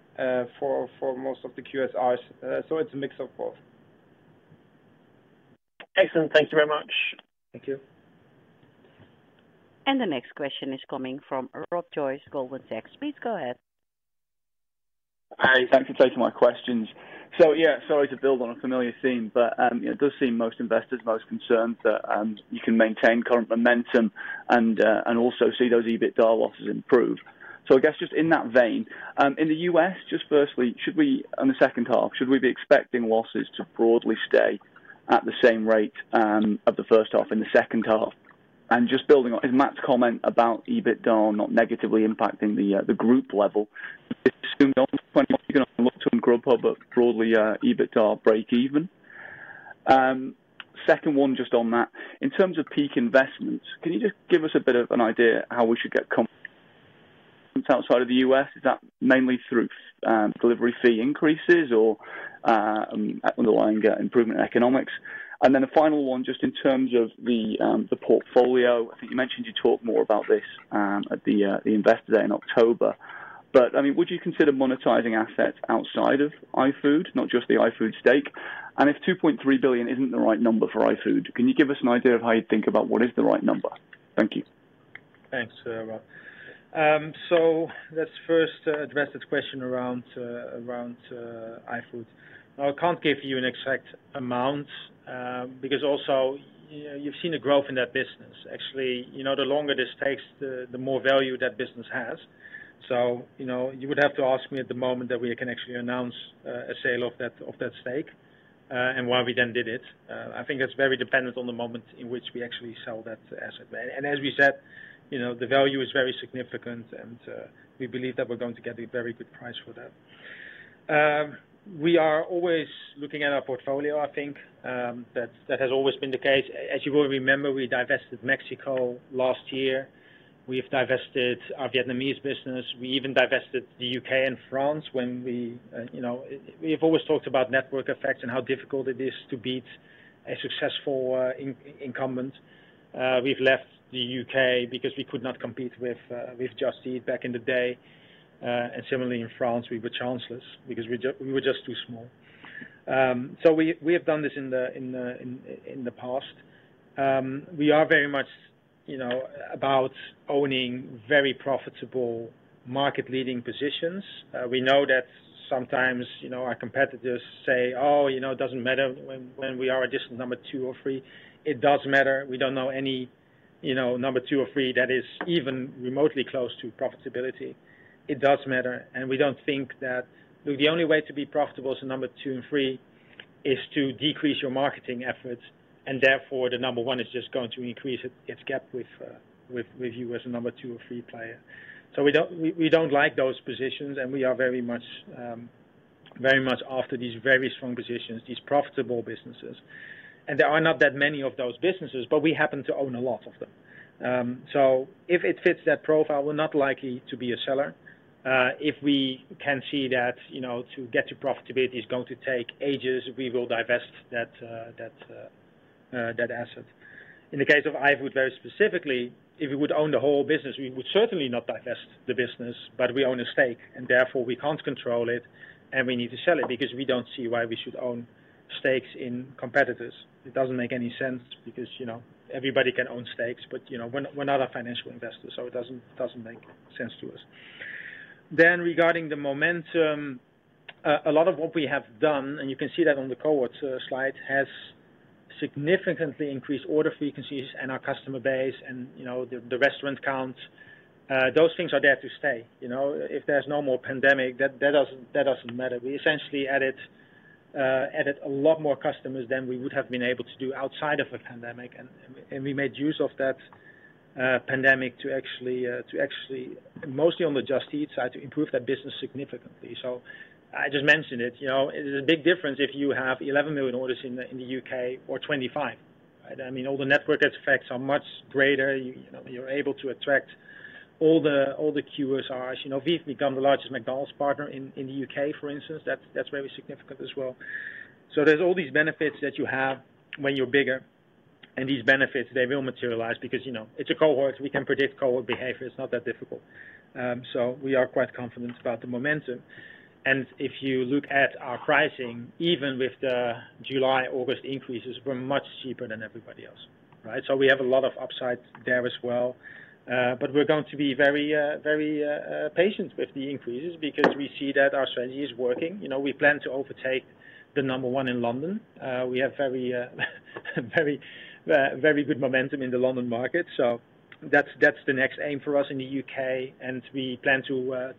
for most of the QSRs. It's a mix of both. Excellent. Thank you very much. Thank you. The next question is coming from Rob Joyce, Goldman Sachs. Please go ahead. Thank you for taking my questions. Sorry to build on a familiar theme, but it does seem most investors are most concerned that you can maintain current momentum and also see those EBITDA losses improve. In the U.S., just firstly, should we, on the second half, should we be expecting losses to broadly stay at the same rate of the first half in the second half? Just building on in Matt's comment about EBITDA not negatively impacting the group level, assume on Grubhub, but broadly EBITDA break even. Second one just on that, in terms of peak investments, can you just give us a bit of an idea how we should get confidence outside of the U.S.? Is that mainly through delivery fee increases or underlying improvement economics? A final one, just in terms of the portfolio. I think you mentioned you'd talk more about this at the Investor Day in October. Would you consider monetizing assets outside of iFood, not just the iFood stake? If 2.3 billion isn't the right number for iFood, can you give us an idea of how you think about what is the right number? Thank you. Thanks, Rob. Let's first address this question around iFood. I can't give you an exact amount, because also, you've seen a growth in that business. Actually, the longer this takes, the more value that business has. You would have to ask me at the moment that we can actually announce a sale of that stake, and why we then did it. I think that's very dependent on the moment in which we actually sell that asset. As we said, the value is very significant, and we believe that we're going to get a very good price for that. We are always looking at our portfolio, I think. That has always been the case. As you will remember, we divested Mexico last year. We have divested our Vietnamese business. We even divested the U.K. and France. We've always talked about network effects and how difficult it is to beat a successful incumbent. We've left the U.K. because we could not compete with Just Eat back in the day. Similarly in France, we were chanceless because we were just too small. We have done this in the past. We are very much about owning very profitable market leading positions. We know that sometimes our competitors say, "Oh, it doesn't matter when we are just number two or three." It does matter. We don't know any number two or three that is even remotely close to profitability. It does matter. We don't think that the only way to be profitable as a number two and three is to decrease your marketing efforts. Therefore the number one is just going to increase its gap with you as a number 2 or 3 player. We don't like those positions. We are very much after these very strong positions, these profitable businesses. There are not that many of those businesses, but we happen to own a lot of them. If it fits that profile, we're not likely to be a seller. If we can see that to get to profitability is going to take ages, we will divest that asset. In the case of iFood very specifically, if we would own the whole business, we would certainly not divest the business, but we own a stake and therefore we can't control it, and we need to sell it because we don't see why we should own stakes in competitors. It doesn't make any sense because everybody can own stakes, but we're not a financial investor, so it doesn't make sense to us. Regarding the momentum, a lot of what we have done, and you can see that on the cohorts slide, has significantly increased order frequencies and our customer base and the restaurant count. Those things are there to stay. If there's no more pandemic, that doesn't matter. We essentially added a lot more customers than we would have been able to do outside of a pandemic. We made use of that pandemic to actually, mostly on the Just Eat side, to improve that business significantly. I just mentioned it is a big difference if you have 11 million orders in the U.K. or 25 million orders, right? All the network effects are much greater. You're able to attract all the QSRs. We've become the largest McDonald's partner in the U.K., for instance. That's very significant as well. There's all these benefits that you have when you're bigger, and these benefits, they will materialize because it's a cohort. We can predict cohort behavior. It's not that difficult. We are quite confident about the momentum. If you look at our pricing, even with the July, August increases, we're much cheaper than everybody else, right? We have a lot of upsides there as well. We're going to be very patient with the increases because we see that our strategy is working. We plan to overtake the number one in London. We have very good momentum in the London market. That's the next aim for us in the U.K., and we plan to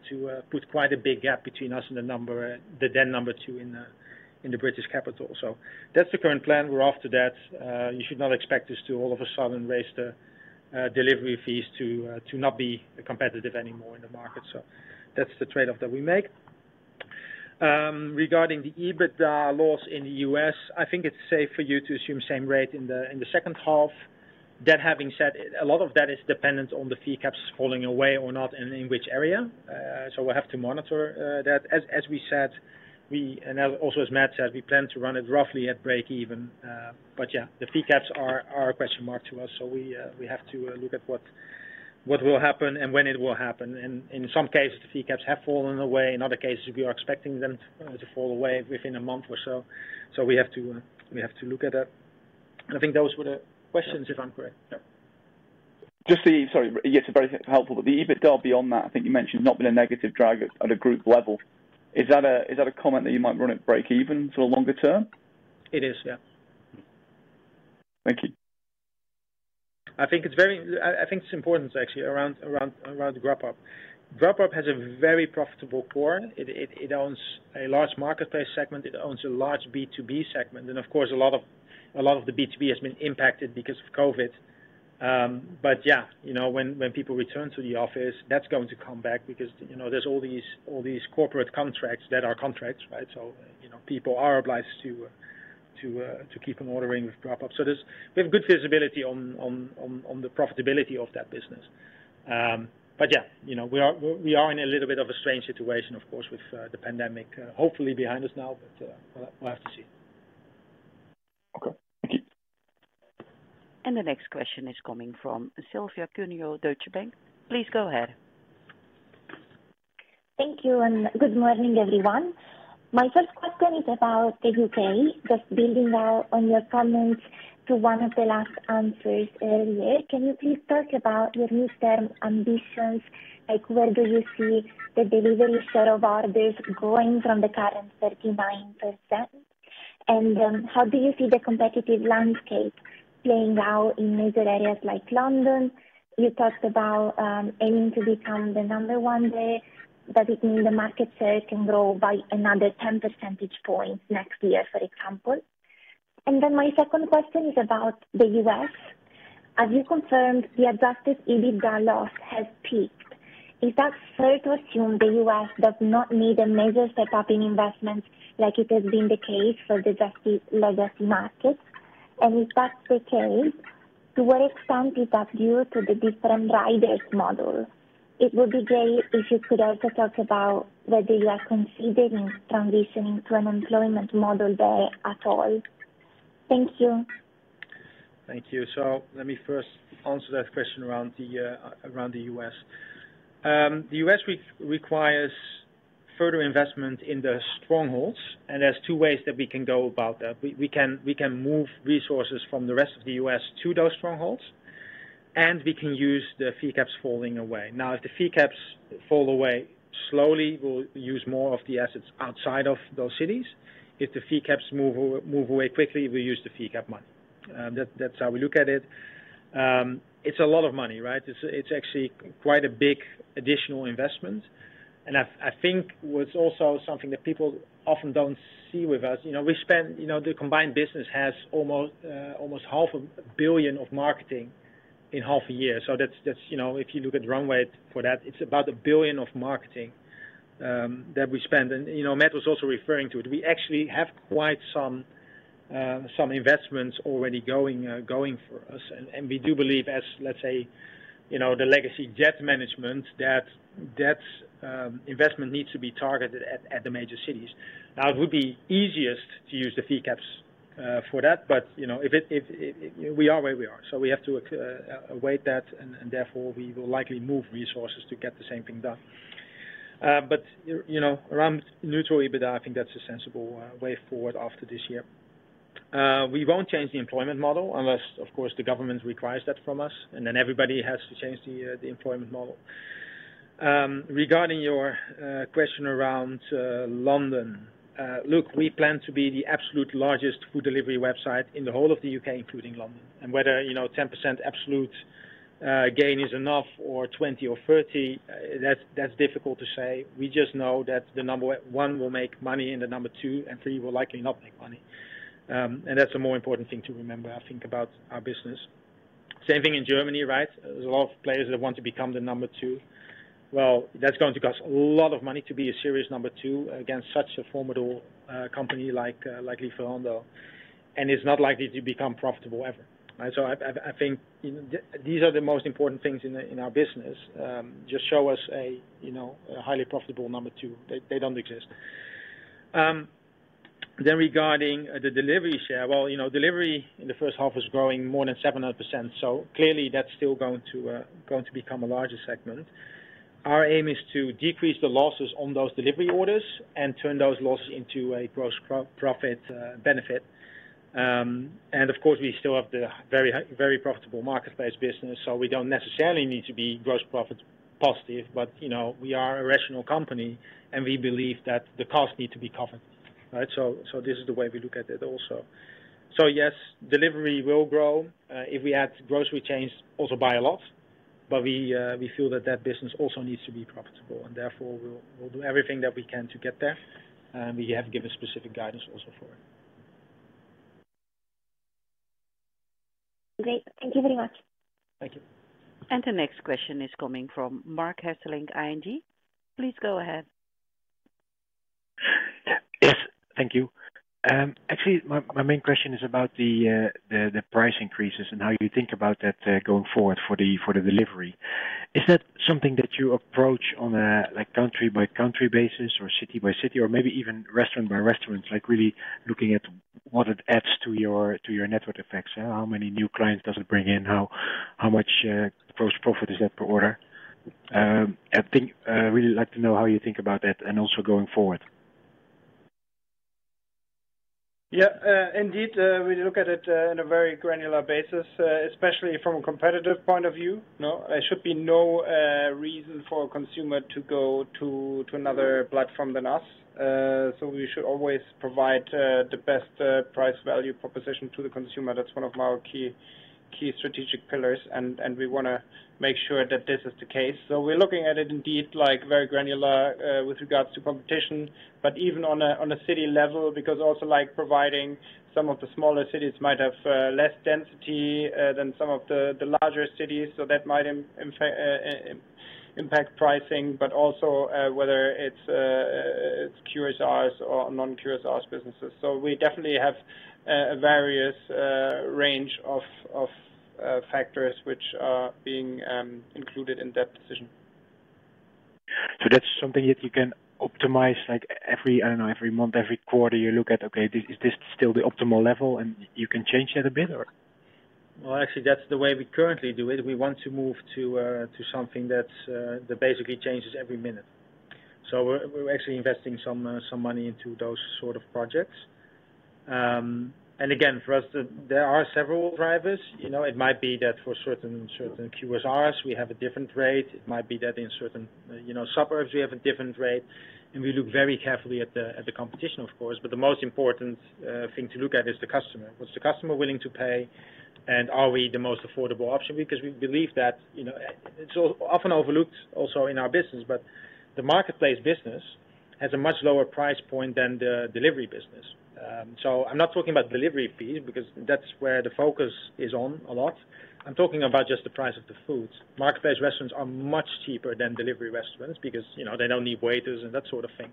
put quite a big gap between us and the then number two in the British capital. That's the current plan. We're after that. You should not expect us to all of a sudden raise the delivery fees to not be competitive anymore in the market. That's the trade-off that we make. Regarding the EBITDA loss in the U.S., I think it's safe for you to assume same rate in the second half. That having said, a lot of that is dependent on the fee caps falling away or not, and in which area. We'll have to monitor that. As we said, and also as Matt said, we plan to run it roughly at breakeven. Yeah, the fee caps are a question mark to us. We have to look at what will happen and when it will happen. In some cases, the fee caps have fallen away. In other cases, we are expecting them to fall away within a month or so. We have to look at that. I think those were the questions, if I'm correct. Yeah. Just the, sorry, yeah, it's very helpful. The EBITDA beyond that, I think you mentioned not being a negative drag at a group level. Is that a comment that you might run at breakeven for the longer term? It is, yeah. Thank you. I think it's important, actually, around the Grubhub. Grubhub has a very profitable core. It owns a large marketplace segment. It owns a large B2B segment. Of course, a lot of the B2B has been impacted because of COVID. Yeah, when people return to the office, that's going to come back because there's all these corporate contracts that are contracts, right? People are obliged to keep on ordering with Grubhub. We have good visibility on the profitability of that business. Yeah, we are in a little bit of a strange situation, of course, with the pandemic hopefully behind us now, but we'll have to see. Okay. Thank you. The next question is coming from Silvia Cuneo, Deutsche Bank. Please go ahead. Thank you. Good morning, everyone. My first question is about the U.K., just building now on your comments to one of the last answers earlier. Can you please talk about your near-term ambitions? Like where do you see the delivery share of orders going from the current 39%? How do you see the competitive landscape playing out in major areas like London? You talked about aiming to become the number one there. Does it mean the market share can grow by another 10 percentage points next year, for example? My second question is about the U.S. As you confirmed, the adjusted EBITDA loss has peaked. Is that fair to assume the U.S. does not need a major step-up in investments like it has been the case for the Just Eat delivery markets? If that's the case, to what extent is that due to the different riders model? It would be great if you could also talk about whether you are considering transitioning to an employment model there at all. Thank you. Thank you. Let me first answer that question around the U.S. The U.S. requires further investment in the strongholds, and there's two ways that we can go about that. We can move resources from the rest of the U.S. to those strongholds, and we can use the fee caps falling away. Now, if the fee caps fall away slowly, we'll use more of the assets outside of those cities. If the fee caps move away quickly, we use the fee cap money. That's how we look at it. It's a lot of money, right? It's actually quite a big additional investment, and I think what's also something that people often don't see with us, the combined business has almost a 500 billion of marketing in half a year. If you look at runway for that, it's about 1 billion of marketing that we spend. Matt was also referring to it. We actually have quite some investments already going for us, and we do believe as, let's say, the legacy debt management, that investment needs to be targeted at the major cities. It would be easiest to use the fee caps for that, but we are where we are. We have to await that, and therefore we will likely move resources to get the same thing done. Around neutral EBITDA, I think that's a sensible way forward after this year. We won't change the employment model unless, of course, the government requires that from us, and then everybody has to change the employment model. Regarding your question around London. Look, we plan to be the absolute largest food delivery website in the whole of the U.K., including London, and whether 10% absolute gain is enough or 20% or 30%, that's difficult to say. We just know that the number 1 will make money and the number 2 and 3 will likely not make money. That's a more important thing to remember, I think, about our business. Same thing in Germany, right? There's a lot of players that want to become the number 2. Well, that's going to cost a lot of money to be a serious number 2 against such a formidable company like Lieferando, and it's not likely to become profitable ever. I think these are the most important things in our business. Just show us a highly profitable number 2. They don't exist. Regarding the delivery share. Well, delivery in the first half is growing more than 700%, clearly that's still going to become a larger segment. Our aim is to decrease the losses on those delivery orders and turn those losses into a gross profit benefit. Of course, we still have the very profitable marketplace business, we don't necessarily need to be gross profit positive. We are a rational company, and we believe that the costs need to be covered, right? This is the way we look at it also. Yes, delivery will grow. If we add grocery chains, also by a lot. We feel that that business also needs to be profitable, and therefore we'll do everything that we can to get there. We have given specific guidance also for it. Great. Thank you very much. Thank you. The next question is coming from Marc Hesselink, ING. Please go ahead. Yes. Thank you. Actually, my main question is about the price increases and how you think about that going forward for the delivery. Is that something that you approach on a country-by-country basis or city by city or maybe even restaurant by restaurant, like really looking at what it adds to your network effects? How many new clients does it bring in? How much gross profit is that per order? I really like to know how you think about that and also going forward. Yeah. Indeed, we look at it in a very granular basis, especially from a competitive point of view. There should be no reason for a consumer to go to another platform than us. We should always provide the best price-value proposition to the consumer. That's one of our key strategic pillars, and we want to make sure that this is the case. We're looking at it indeed like very granular with regards to competition, but even on a city level, because also like providing some of the smaller cities might have less density than some of the larger cities, so that might impact pricing, but also whether it's QSRs or non-QSRs businesses. We definitely have a various range of factors which are being included in that decision. That's something that you can optimize like every, I don't know, every month, every quarter, you look at, okay, is this still the optimal level and you can change it a bit or? Well, actually, that's the way we currently do it. We want to move to something that basically changes every minute. We're actually investing some money into those sort of projects. Again, for us, there are several drivers. It might be that for certain QSRs, we have a different rate. It might be that in certain suburbs, we have a different rate. We look very carefully at the competition, of course. The most important thing to look at is the customer. What's the customer willing to pay, and are we the most affordable option? We believe that it's often overlooked also in our business, but the marketplace business has a much lower price point than the delivery business. I'm not talking about delivery fee, because that's where the focus is on a lot. I'm talking about just the price of the foods. Marketplace restaurants are much cheaper than delivery restaurants because they don't need waiters and that sort of thing.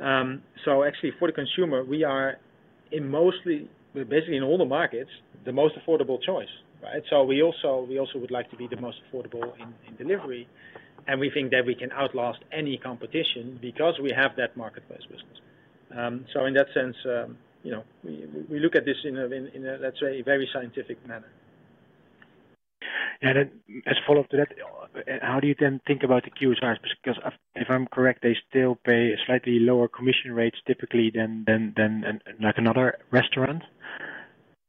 Actually for the consumer, we are in mostly, basically in all the markets, the most affordable choice, right? We also would like to be the most affordable in delivery, and we think that we can outlast any competition because we have that marketplace business. In that sense, we look at this in a, let's say, very scientific manner. Then as follow-up to that, how do you then think about the QSRs? If I'm correct, they still pay slightly lower commission rates typically than like another restaurant.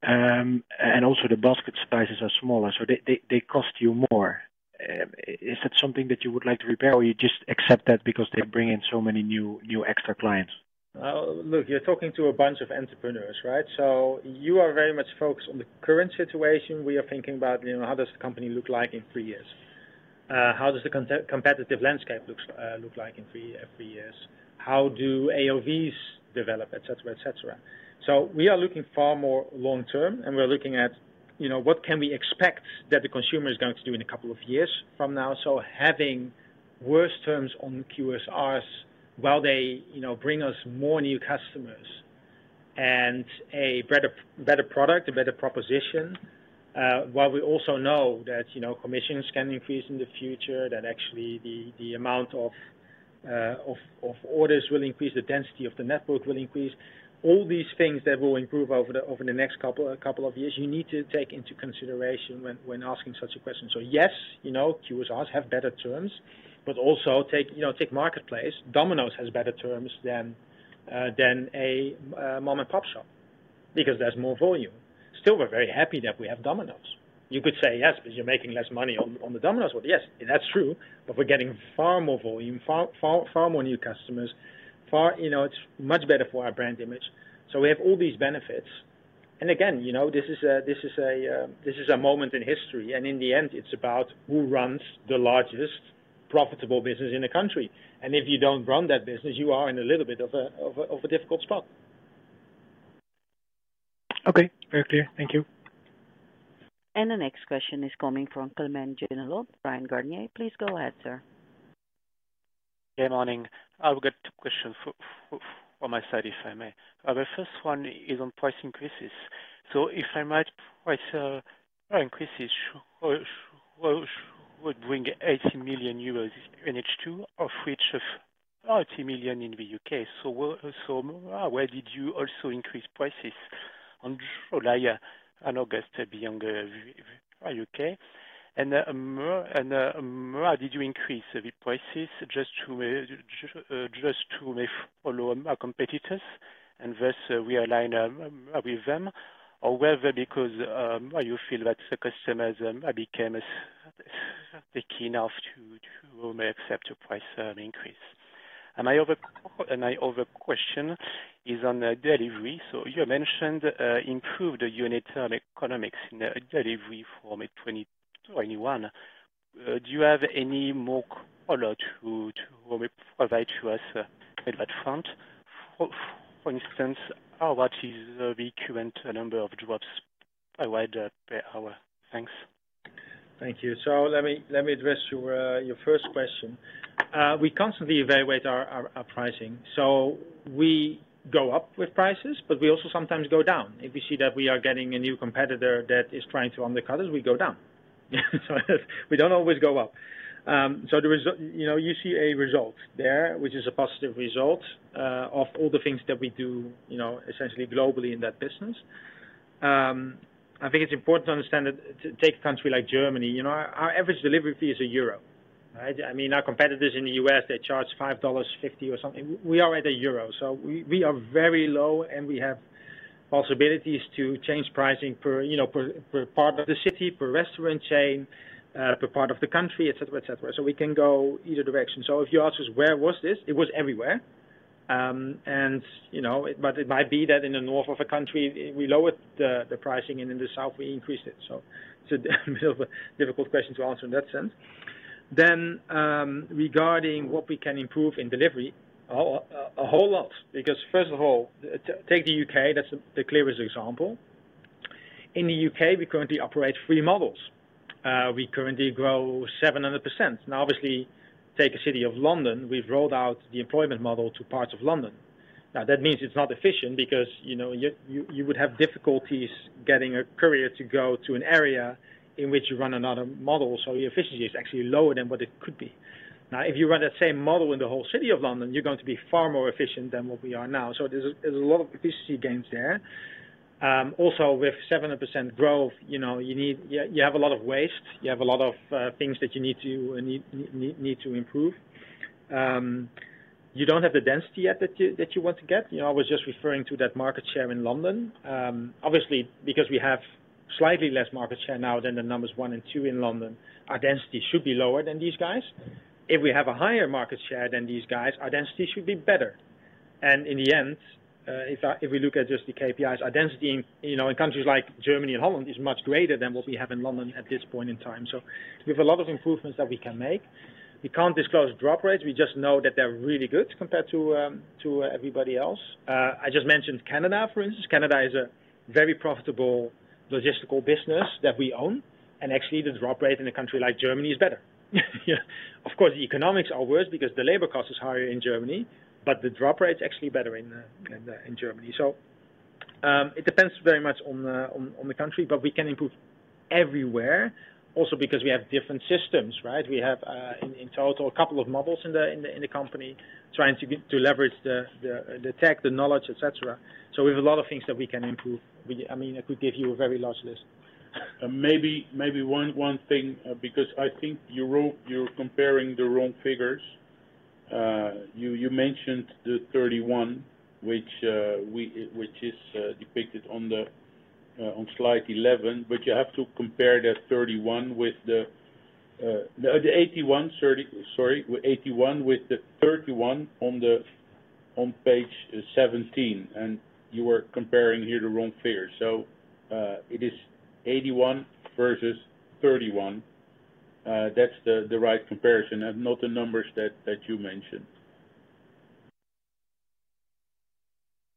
Also the basket sizes are smaller, so they cost you more. Is that something that you would like to repair or you just accept that because they bring in so many new extra clients? Look, you're talking to a bunch of entrepreneurs, right? You are very much focused on the current situation. We are thinking about how does the company look like in three years? How does the competitive landscape look like in three years? How do AOVs develop, et cetera. We are looking far more long-term, and we're looking at what can we expect that the consumer is going to do in a couple of years from now. Having worse terms on QSRs while they bring us more new customers and a better product, a better proposition, while we also know that commissions can increase in the future, that actually the amount of orders will increase, the density of the network will increase. All these things that will improve over the next couple of years, you need to take into consideration when asking such a question. Yes, QSRs have better terms, but also take marketplace. Domino's has better terms than a mom-and-pop shop because there's more volume. We're very happy that we have Domino's. You could say, yes, because you're making less money on the Domino's order. Yes, that's true. We're getting far more volume, far more new customers. It's much better for our brand image. We have all these benefits. Again, this is a moment in history, and in the end, it's about who runs the largest profitable business in the country. If you don't run that business, you are in a little bit of a difficult spot. Okay. Very clear. Thank you. The next question is coming from Clément Genelot, Bryan, Garnier. Please go ahead, sir. Yeah, morning. I've got two questions on my side, if I may. The first one is on price increases. If I might, price increases would bring 80 million euros in H2, of which 30 million in the U.K. Where did you also increase prices on July and August beyond the U.K.? How did you increase the prices? Just to follow our competitors and thus realign with them? Whether because you feel that the customers became keen enough to accept a price increase? My other question is on delivery. You mentioned improved unit economics in delivery from 2021. Do you have any more color to provide to us at that front? For instance, what is the current number of drops provided per hour? Thanks. Thank you. Let me address your first question. We constantly evaluate our pricing. We go up with prices, but we also sometimes go down. If we see that we are getting a new competitor that is trying to undercut us, we go down. We don't always go up. You see a result there, which is a positive result, of all the things that we do essentially globally in that business. I think it's important to understand that, take a country like Germany, our average delivery fee is EUR 1, right? Our competitors in the U.S., they charge $5.50 or something. We are at EUR 1, so we are very low, and we have possibilities to change pricing per part of the city, per restaurant chain, per part of the country, et cetera. We can go either direction. If you ask us where was this? It was everywhere. It might be that in the north of a country, we lowered the pricing, and in the south, we increased it. It's a bit of a difficult question to answer in that sense. Regarding what we can improve in delivery, a whole lot. Because first of all, take the U.K., that's the clearest example. In the U.K., we currently operate three models. We currently grow 700%. Obviously, take a city of London, we've rolled out the employment model to parts of London. That means it's not efficient because you would have difficulties getting a courier to go to an area in which you run another model. Your efficiency is actually lower than what it could be. If you run that same model in the whole city of London, you're going to be far more efficient than what we are now. There's a lot of efficiency gains there. Also with 700% growth, you have a lot of waste. You have a lot of things that you need to improve. You don't have the density yet that you want to get. I was just referring to that market share in London. Obviously, because we have slightly less market share now than the numbers one and two in London, our density should be lower than these guys. If we have a higher market share than these guys, our density should be better. In the end, if we look at just the KPIs, our density in countries like Germany and Holland is much greater than what we have in London at this point in time. We have a lot of improvements that we can make. We can't disclose drop rates. We just know that they're really good compared to everybody else. I just mentioned Canada, for instance. Canada is a very profitable logistical business that we own. Actually, the drop rate in a country like Germany is better. Of course, the economics are worse because the labor cost is higher in Germany. The drop rate is actually better in Germany. It depends very much on the country. We can improve everywhere also because we have different systems, right? We have in total, a couple of models in the company trying to leverage the tech, the knowledge, et cetera. We have a lot of things that we can improve. I could give you a very large list. Maybe one thing, because I think you're comparing the wrong figures. You mentioned the 31 million, which is depicted on slide 11, but you have to compare the 81 million with the 31 million on the. On page 17, you were comparing here to pro forma. It is 81 million versus 31 million. That's the right comparison and not the numbers that you mentioned.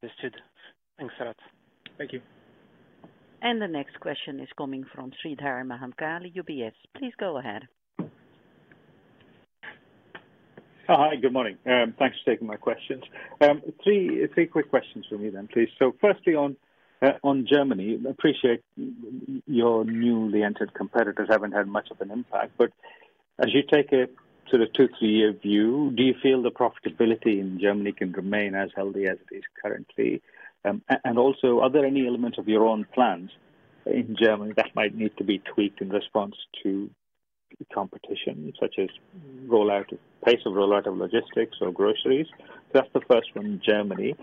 Understood. Thanks a lot. Thank you. The next question is coming from Sreedhar Mahamkali, UBS. Please go ahead. Hi. Good morning. Thanks for taking my questions. Three quick questions for me then, please. Firstly on Germany, appreciate your newly entered competitors haven't had much of an impact, but as you take a sort of two, three-year view, do you feel the profitability in Germany can remain as healthy as it is currently? Also, are there any elements of your own plans in Germany that might need to be tweaked in response to competition, such as pace of rollout of logistics or groceries? That's the first one, Germany.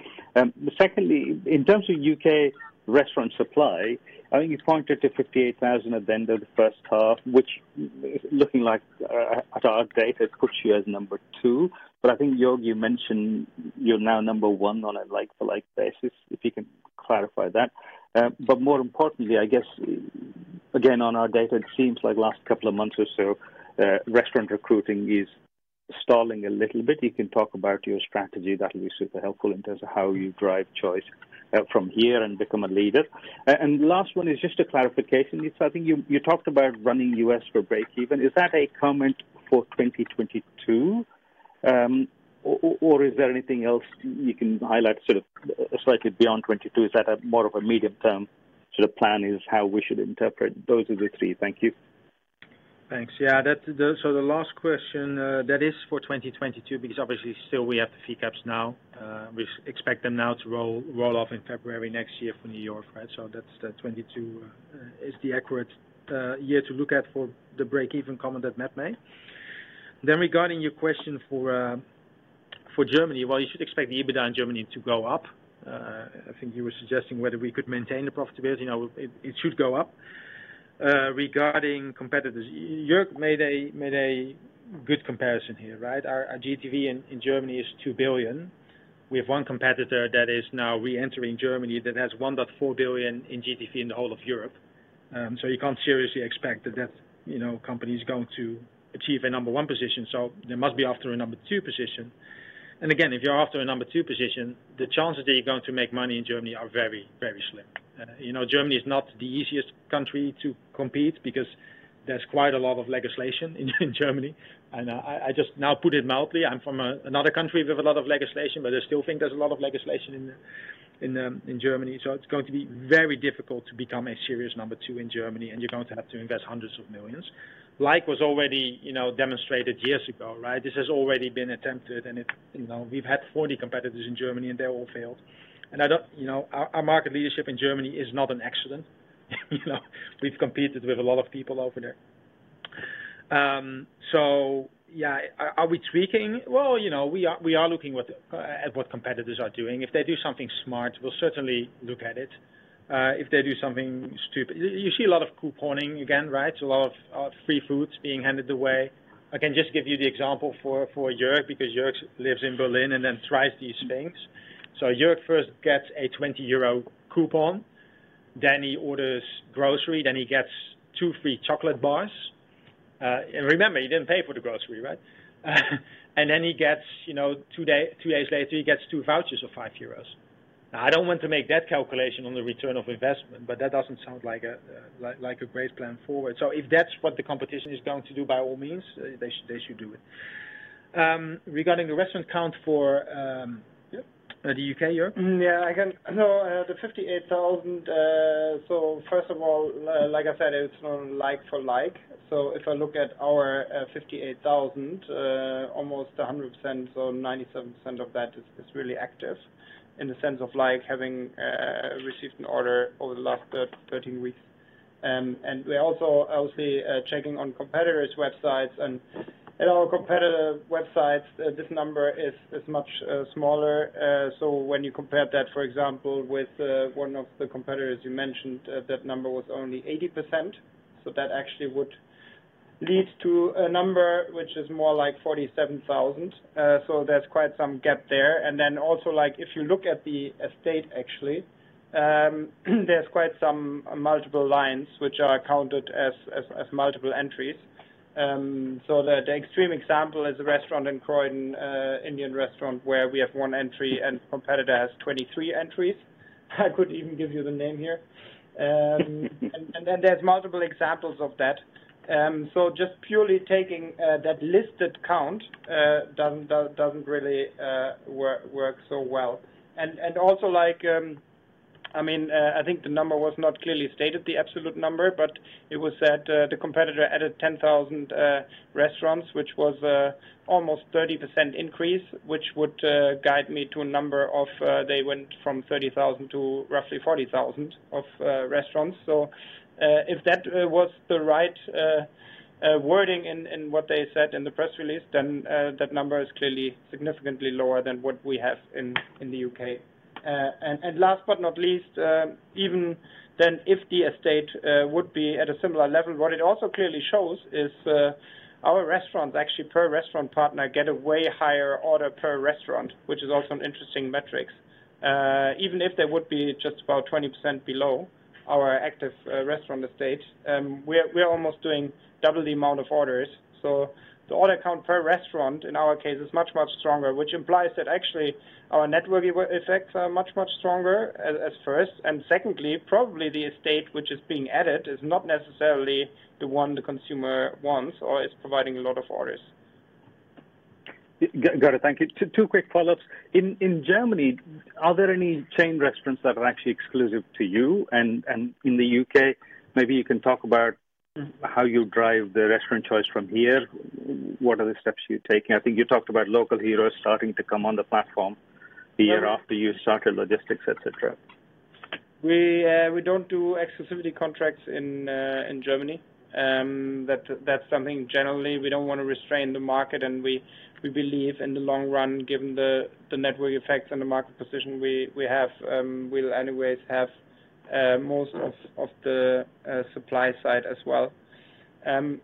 Secondly, in terms of U.K. restaurant supply, I think you pointed to 58,000 restaurants at the end of the H1, which looking like at our data is Deliveroo is number 2. I think, Jörg, you mentioned you're now number 1 on a like for like basis, if you can clarify that. More importantly, I guess, again, on our data, it seems like last couple of months or so, restaurant recruiting is stalling a little bit. You can talk about your strategy. That'll be super helpful in terms of how you drive choice from here and become a leader. Last one is just a clarification. I think you talked about running U.S. for breakeven. Is that a comment for 2022? Or is there anything else you can highlight sort of slightly beyond 2022? Is that a more of a medium-term sort of plan is how we should interpret? Those are the three. Thank you. Thanks. Yeah. The last question, that is for 2022, because obviously still we have the fee caps now. We expect them now to roll off in February next year for New York, right? That's the 2022 is the accurate year to look at for the breakeven comment that Matt made. Regarding your question for Germany, well, you should expect the EBITDA in Germany to go up. I think you were suggesting whether we could maintain the profitability. No, it should go up. Regarding competitors, Jörg made a good comparison here, right? Our GTV in Germany is 2 billion. We have one competitor that is now reentering Germany that has 1.4 billion in GTV in the whole of Europe. You can't seriously expect that that company's going to achieve a number one position. They must be after a number two position. Again, if you're after a number two position, the chances that you're going to make money in Germany are very slim. Germany is not the easiest country to compete because there's quite a lot of legislation in Germany. I just now put it mildly. I'm from another country with a lot of legislation, but I still think there's a lot of legislation in Germany. It's going to be very difficult to become a serious number 2 in Germany, and you're going to have to invest 100s of millions. Like was already demonstrated years ago, right? This has already been attempted, and we've had 40 competitors in Germany, and they all failed. Our market leadership in Germany is not an accident. We've competed with a lot of people over there. Yeah, are we tweaking? Well, we are looking at what competitors are doing. If they do something smart, we'll certainly look at it. If they do something stupid. You see a lot of couponing again, right? A lot of free foods being handed away. I can just give you the example for Jörg because Jörg lives in Berlin and then tries these things. Jörg first gets a 20 euro coupon, then he orders grocery, then he gets two free chocolate bars. Remember, he didn't pay for the grocery, right? He gets two days later, he gets two vouchers of 5 euros. I don't want to make that calculation on the return on investment, but that doesn't sound like a great plan forward. If that's what the competition is going to do, by all means, they should do it. Regarding the restaurant count for the U.K., Jörg? Yeah, the 58,000 restaurants. First of all, like I said, it's not like for like. If I look at our 58,000 restaurants, almost 100%, 97% of that is really active in the sense of like having received an order over the last 13 weeks. We're also obviously checking on competitors' websites, and at our competitors' websites, this number is much smaller. When you compare that, for example, with one of the competitors you mentioned, that number was only 80%. That actually would lead to a number which is more like 47,000 restaurants. There's quite some gap there. Also like if you look at the estate, actually, there's quite some multiple lines which are counted as multiple entries. The extreme example is a restaurant in Croydon, Indian restaurant, where we have one entry and competitor has 23 entries. I could even give you the name here. There's multiple examples of that. Just purely taking that listed count doesn't really work so well. Also like, I think the number was not clearly stated, the absolute number, but it was said the competitor added 10,000 restaurants, which was almost 30% increase, which would guide me to a number of they went from 30,000 restaurants to roughly 40,000 of restaurants. If that was the right wording in what they said in the press release, then that number is clearly significantly lower than what we have in the U.K. Last but not least, even then if the estate would be at a similar level, what it also clearly shows is our restaurants, actually, per restaurant partner get a way higher order per restaurant, which is also an interesting metrics. Even if they would be just about 20% below our active restaurant estate, we are almost doing double the amount of orders. The order count per restaurant, in our case, is much, much stronger, which implies that actually our network effects are much, much stronger at first, and secondly, probably the estate which is being added is not necessarily the one the consumer wants or is providing a lot of orders. Got it. Thank you. Two quick follow-ups. In Germany, are there any chain restaurants that are actually exclusive to you? In the U.K., maybe you can talk about how you drive the restaurant choice from here. What are the steps you're taking? I think you talked about local heroes starting to come on the platform the year after you started logistics, et cetera. We don't do exclusivity contracts in Germany. That's something generally we don't want to restrain the market. We believe in the long run, given the network effects and the market position we have, we'll anyways have most of the supply side as well.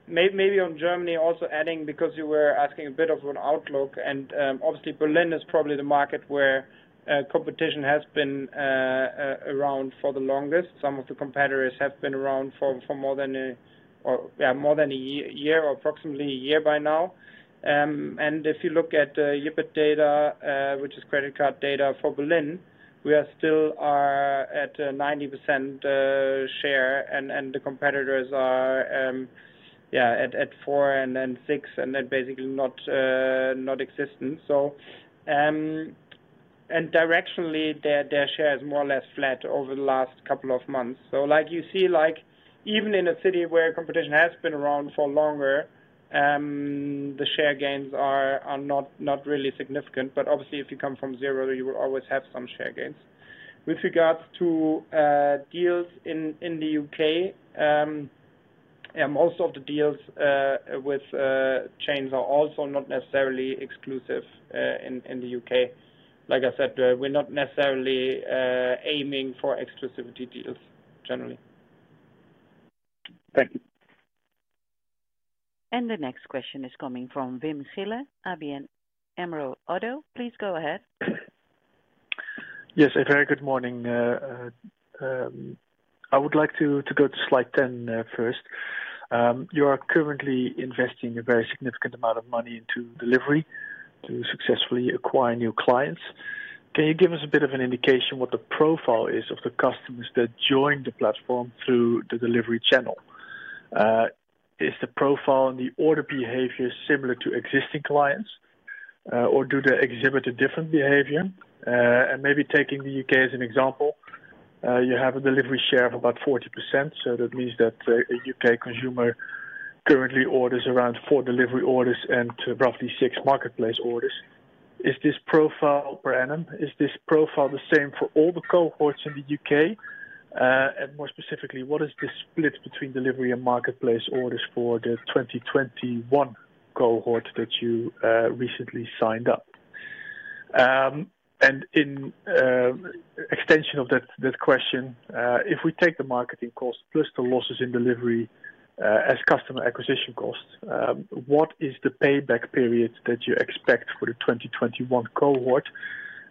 Maybe on Germany also adding, because you were asking a bit of an outlook, and obviously Berlin is probably the market where competition has been around for the longest. Some of the competitors have been around for more than one year or approximately one year by now. If you look at YipitData data, which is credit card data for Berlin, we are still at 90% share and the competitors are at 4% and then 6%, and they're basically non-existent. Directionally, their share is more or less flat over the last couple of months. You see even in a city where competition has been around for longer, the share gains are not really significant, but obviously if you come from zero, you will always have some share gains. With regards to deals in the U.K., most of the deals with chains are also not necessarily exclusive in the U.K. Like I said, we're not necessarily aiming for exclusivity deals generally. Thank you. The next question is coming from Wim Gille, ABN AMRO ODDO. Please go ahead. Yes, a very good morning. I would like to go to slide 10 first. You are currently investing a very significant amount of money into delivery to successfully acquire new clients. Can you give us a bit of an indication what the profile is of the customers that join the platform through the delivery channel? Is the profile and the order behavior similar to existing clients, or do they exhibit a different behavior? Maybe taking the U.K. as an example, you have a delivery share of about 40%, so that means that a UK consumer currently orders around four delivery orders and roughly six marketplace orders. Per annum, is this profile the same for all the cohorts in the U.K.? More specifically, what is the split between delivery and marketplace orders for the 2021 cohort that you recently signed up? In extension of that question, if we take the marketing cost plus the losses in delivery as customer acquisition costs, what is the payback period that you expect for the 2021 cohort,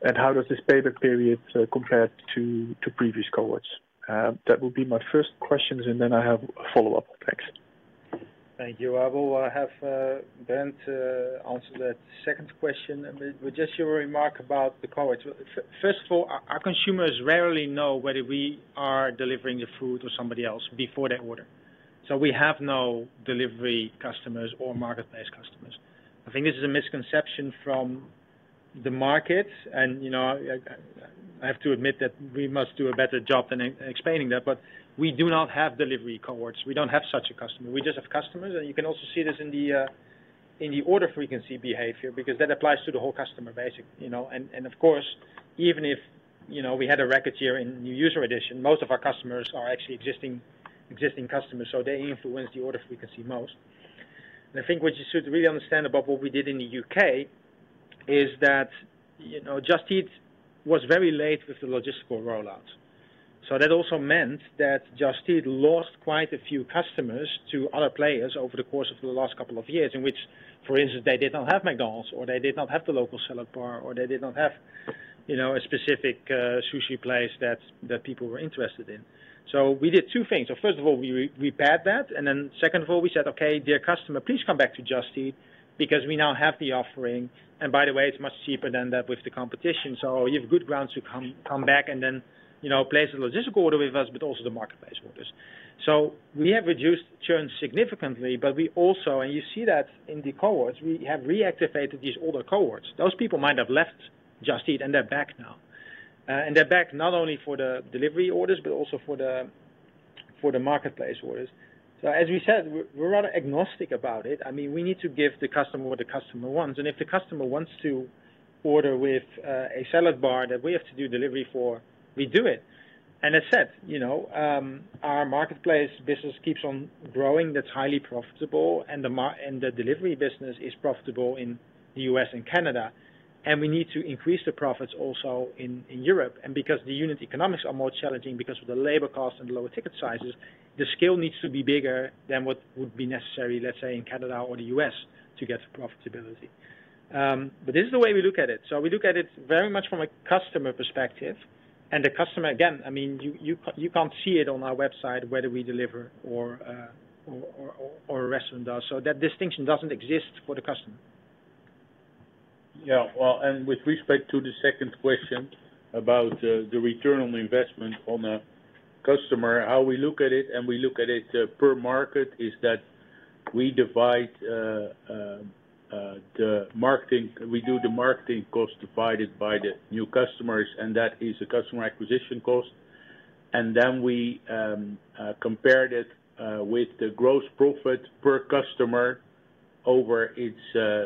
and how does this payback period compare to previous cohorts? That will be my first questions, and then I have a follow-up. Thanks. Thank you. I will have Brent answer that second question. With just your remark about the cohorts. First of all, our consumers rarely know whether we are delivering the food or somebody else before they order. We have no delivery customers or marketplace customers. I think this is a misconception from the market, and I have to admit that we must do a better job in explaining that, but we do not have delivery cohorts. We don't have such a customer. We just have customers. You can also see this in the order frequency behavior, because that applies to the whole customer, basically. Of course, even if we had a record year in new user addition, most of our customers are actually existing customers, so they influence the order frequency most. I think what you should really understand about what we did in the U.K. is that Just Eat was very late with the logistical rollout. That also meant that Just Eat lost quite a few customers to other players over the course of the last couple of years, in which, for instance, they did not have McDonald's, or they did not have the local salad bar, or they did not have a specific sushi place that people were interested in. We did two things. First of all, we repaired that, and then second of all, we said, "Okay, dear customer, please come back to Just Eat because we now have the offering. By the way, it's much cheaper than that with the competition. You have good grounds to come back and place a logistical order with us, but also the marketplace orders. We have reduced churn significantly, but we also, and you see that in the cohorts, we have reactivated these older cohorts. Those people might have left Just Eat and they're back now. They're back not only for the delivery orders, but also for the marketplace orders. As we said, we're rather agnostic about it. We need to give the customer what the customer wants, and if the customer wants to order with a salad bar that we have to do delivery for, we do it. As said, our marketplace business keeps on growing, that's highly profitable, and the delivery business is profitable in the U.S. and Canada. We need to increase the profits also in Europe. Because the unit economics are more challenging because of the labor cost and lower ticket sizes, the scale needs to be bigger than what would be necessary, let's say, in Canada or the U.S. to get to profitability. This is the way we look at it. We look at it very much from a customer perspective, and the customer, again, you can't see it on our website whether we deliver or a restaurant does. That distinction doesn't exist for the customer. Well, with respect to the second question about the return on investment on a customer, how we look at it, and we look at it per market, is that we do the marketing cost divided by the new customers, that is a customer acquisition cost. Then we compared it with the gross profit per customer over its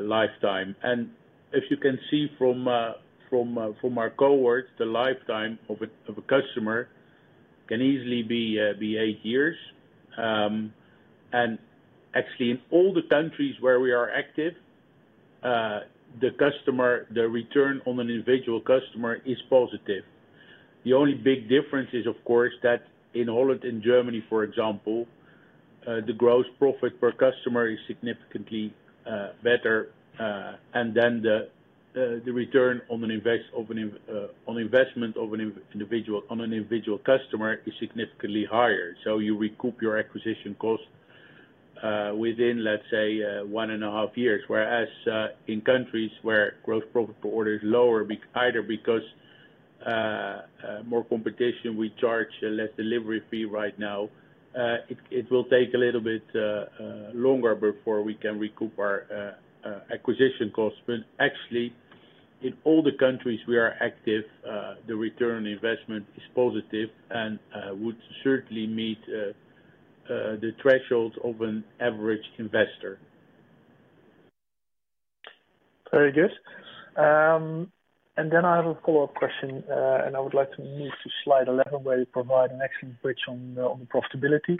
lifetime. As you can see from our cohorts, the lifetime of a customer can easily be eight years. Actually, in all the countries where we are active, the return on an individual customer is positive. The only big difference is, of course, that in Holland, in Germany, for example, the gross profit per customer is significantly better, and then the return on investment on an individual customer is significantly higher. You recoup your acquisition cost within, let's say, one and a half years. Whereas in countries where gross profit per order is lower, either because more competition, we charge less delivery fee right now, it will take a little bit longer before we can recoup our acquisition costs. Actually, in all the countries we are active, the ROI is positive and would certainly meet the thresholds of an average investor. Very good. Then I have a follow-up question, I would like to move to slide 11, where you provide an excellent bridge on profitability.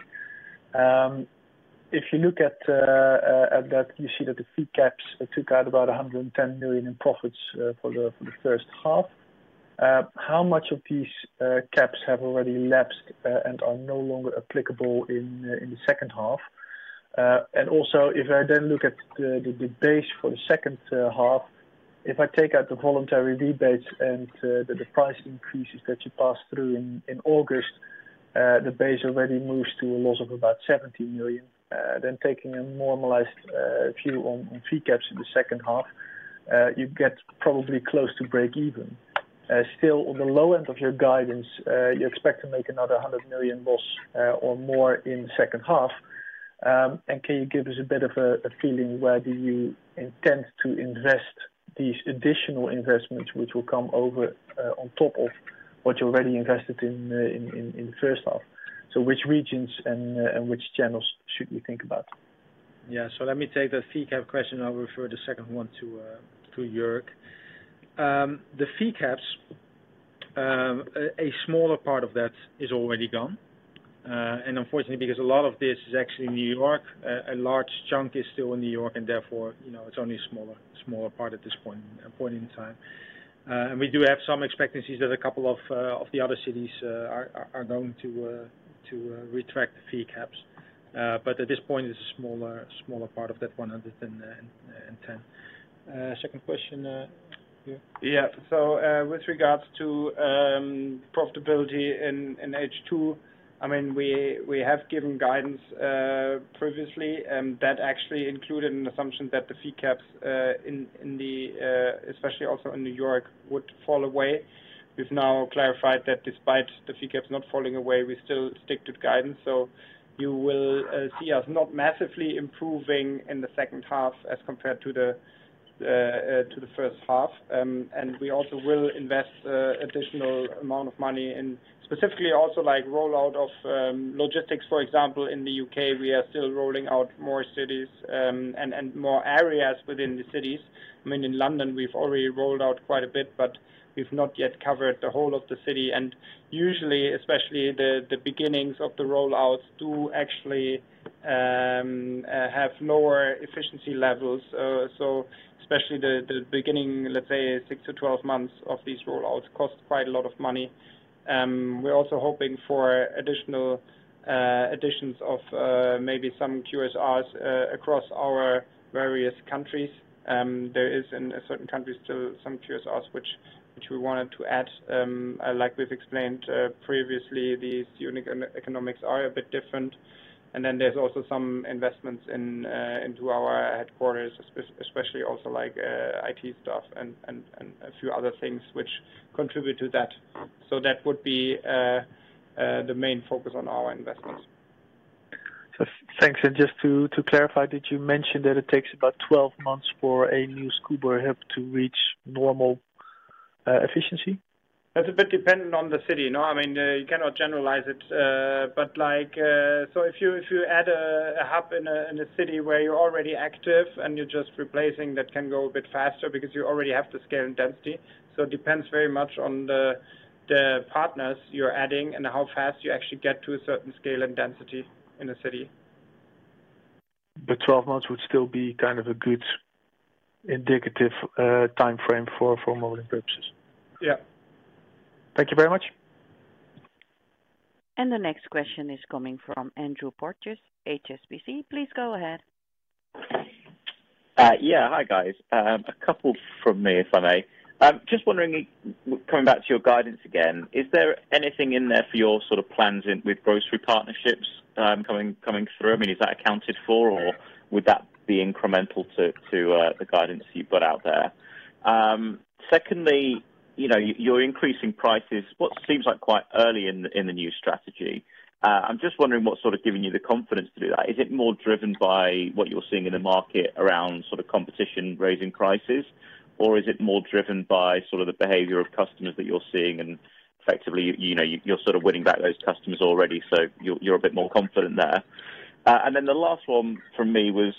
If you look at that, you see that the fee caps took out about 110 million in profits for the first half. How much of these caps have already lapsed and are no longer applicable in the second half? Also, if I look at the base for the second half, if I take out the voluntary rebates and the price increases that you passed through in August, the base already moves to a loss of about 17 million. Taking a normalized view on fee caps in the second half, you get probably close to break even. Still, on the low end of your guidance, you expect to make another 100 million loss or more in the second half. Can you give us a bit of a feeling where do you intend to invest these additional investments which will come over on top of what you already invested in the first half? Which regions and which channels should we think about? Yeah. Let me take the fee cap question. I will refer the second one to Jörg. The fee caps, a smaller part of that is already gone. Unfortunately, because a lot of this is actually N.Y., a large chunk is still in N.Y., and therefore, it is only a smaller part at this point in time. We do have some expectancies that two of the other cities are going to retract the fee caps. At this point, it is a smaller part of that 110 million. Second question, Jörg. Yeah. With regards to profitability in H2, we have given guidance previously, that actually included an assumption that the fee caps, especially also in New York, would fall away. We've now clarified that despite the fee caps not falling away, we still stick to the guidance. You will see us not massively improving in the second half as compared to the first half. We also will invest additional amount of money in specifically also like rollout of logistics. For example, in the U.K., we are still rolling out more cities and more areas within the cities. In London, we've already rolled out quite a bit, we've not yet covered the whole of the city. Usually, especially the beginnings of the rollouts do actually have lower efficiency levels. Especially the beginning, let's say 6 months-12 months of these rollouts cost quite a lot of money. We're also hoping for additional additions of maybe some QSRs across our various countries. There is in certain countries still some QSRs which we wanted to add. Like we've explained previously, these unit economics are a bit different. There's also some investments into our headquarters, especially also like IT stuff and a few other things which contribute to that. That would be the main focus on our investments. Thanks. Just to clarify, did you mention that it takes about 12 months for a new Scoober hub to reach normal efficiency? That's a bit dependent on the city. You cannot generalize it. If you add a hub in a city where you're already active and you're just replacing, that can go a bit faster because you already have the scale and density. It depends very much on the partners you're adding and how fast you actually get to a certain scale and density in a city. 12 months would still be kind of a good indicative timeframe for modeling purposes? Yeah. Thank you very much. The next question is coming from Andrew Porteous, HSBC. Please go ahead. Yeah. Hi, guys. A couple from me, if I may. Just wondering, coming back to your guidance again, is there anything in there for your plans with grocery partnerships coming through? Is that accounted for or would that be incremental to the guidance you put out there? Secondly, you're increasing prices, what seems like quite early in the new strategy. I'm just wondering what's giving you the confidence to do that. Is it more driven by what you're seeing in the market around competition raising prices, or is it more driven by the behavior of customers that you're seeing, and effectively, you're winning back those customers already, so you're a bit more confident there? The last one from me was,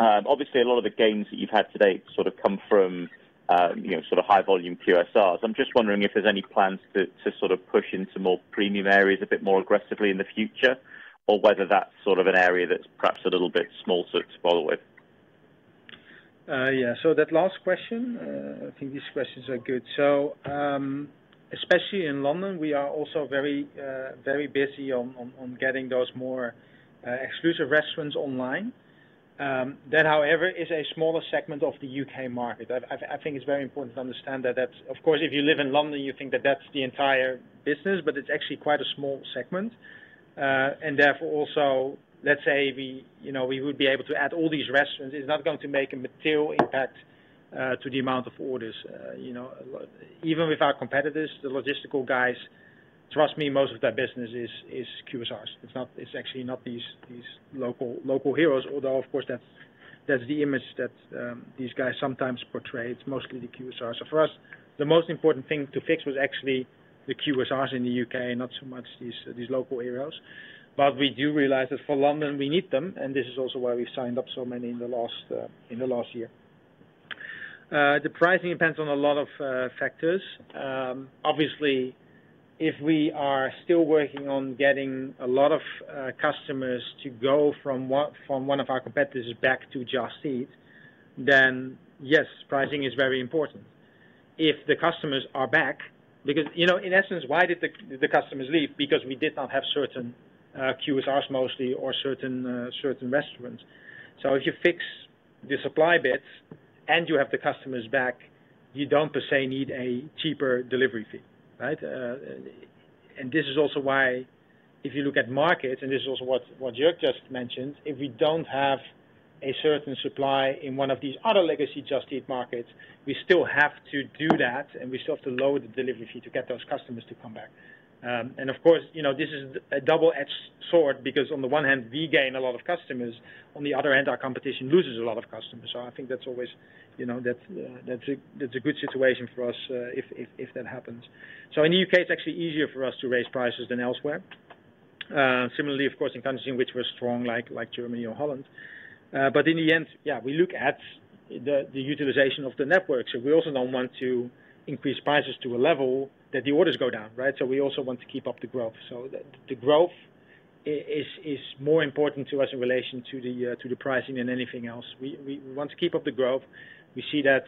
obviously a lot of the gains that you've had to date come from high volume QSRs. I'm just wondering if there's any plans to push into more premium areas a bit more aggressively in the future, or whether that's an area that's perhaps a little bit small to follow with? Yeah. That last question, I think these questions are good. Especially in London, we are also very busy on getting those more exclusive restaurants online. That, however, is a smaller segment of the UK market. I think it's very important to understand that. Of course, if you live in London, you think that that's the entire business, but it's actually quite a small segment. Therefore, also, let's say we would be able to add all these restaurants, it's not going to make a material impact to the amount of orders. Even with our competitors, the logistical guys, trust me, most of their business is QSRs. It's actually not these local heroes, although, of course, that's the image that these guys sometimes portray. It's mostly the QSR. For us, the most important thing to fix was actually the QSRs in the U.K., not so much these local heroes. We do realize that for London, we need them, and this is also why we signed up so many in the last year. The pricing depends on a lot of factors. If we are still working on getting a lot of customers to go from one of our competitors back to Just Eat, then yes, pricing is very important. If the customers are back, because, in essence, why did the customers leave? We did not have certain QSRs mostly, or certain restaurants. If you fix the supply bits and you have the customers back, you don't per se need a cheaper delivery fee, right? This is also why if you look at markets, this is also what Jörg just mentioned, if we don't have a certain supply in one of these other legacy Just Eat markets, we still have to do that, and we still have to lower the delivery fee to get those customers to come back. Of course, this is a double-edged sword because on the one hand, we gain a lot of customers, on the other hand, our competition loses a lot of customers. I think that's a good situation for us if that happens. In the U.K., it's actually easier for us to raise prices than elsewhere. Similarly, of course, in countries in which we're strong like Germany or Holland. In the end, yeah, we look at the utilization of the network. We also don't want to increase prices to a level that the orders go down, right? We also want to keep up the growth. The growth is more important to us in relation to the pricing than anything else. We want to keep up the growth. We see that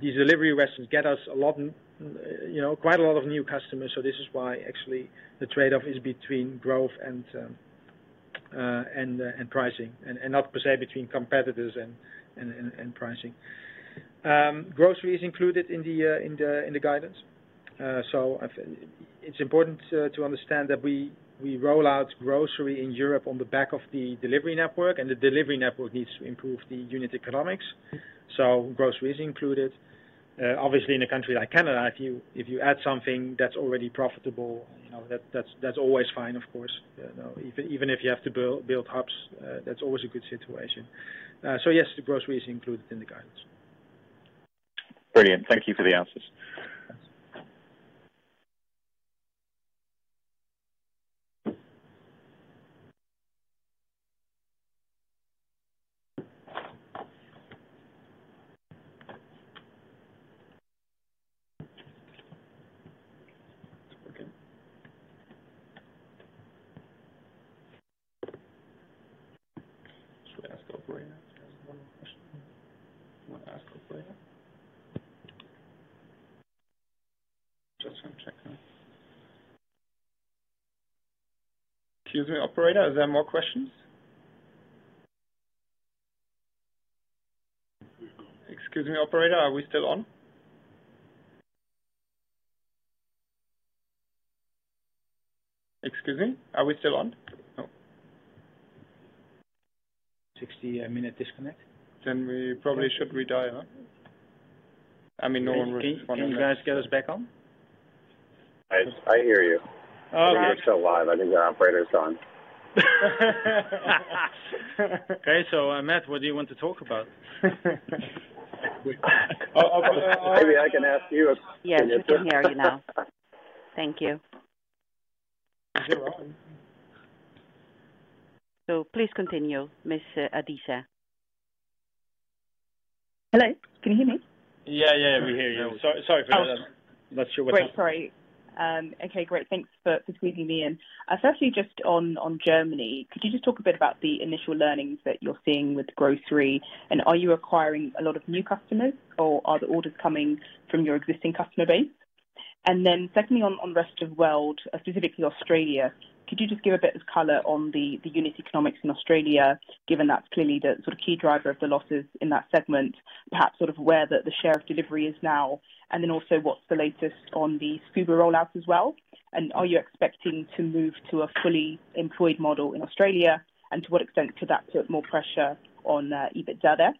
these delivery restaurants get us quite a lot of new customers. This is why actually the trade-off is between growth and pricing, and not per se between competitors and pricing. Grocery is included in the guidance. It's important to understand that we roll out grocery in Europe on the back of the delivery network, and the delivery network needs to improve the unit economics. Grocery is included. Obviously, in a country like Canada, if you add something that's already profitable, that's always fine, of course. Even if you have to build hubs, that is always a good situation. Yes, the grocery is included in the guidance. Brilliant. Thank you for the answers. Excuse me, Operator, is there more questions? Excuse me, Operator, are we still on? Excuse me, are we still on? No. 60-minute disconnect. We probably should redial. No one was responding. Can you guys get us back on? I hear you. Oh, okay. We are still live. I think our operator's gone. Okay, Matt, what do you want to talk about? Maybe I can ask you a question. Yes, we can hear you now. Thank you. You're welcome. Please continue, Miss Adisa. Hello, can you hear me? Yeah, we hear you. Oh. Not sure what happened. Great. Sorry. Okay, great. Thanks for squeezing me in. On Germany, could you just talk a bit about the initial learnings that you're seeing with grocery, and are you acquiring a lot of new customers or are the orders coming from your existing customer base? Secondly, on Rest of World, specifically Australia, could you just give a bit of color on the unit economics in Australia, given that's clearly the key driver of the losses in that segment, perhaps where the share of delivery is now, and also what's the latest on the Scoober rollout as well? Are you expecting to move to a fully employed model in Australia? To what extent could that put more pressure on EBITDA there?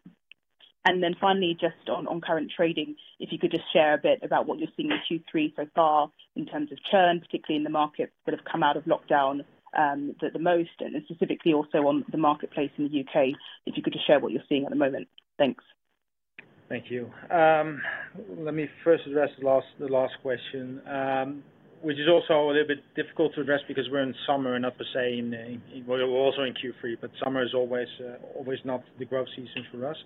Finally, just on current trading, if you could just share a bit about what you're seeing in Q3 so far in terms of churn, particularly in the markets that have come out of lockdown the most, and specifically also on the marketplace in the U.K., if you could just share what you're seeing at the moment. Thanks. Thank you. Let me first address the last question, which is also a little bit difficult to address because we're in summer, and not to say we're also in Q3, but summer is always not the growth season for us.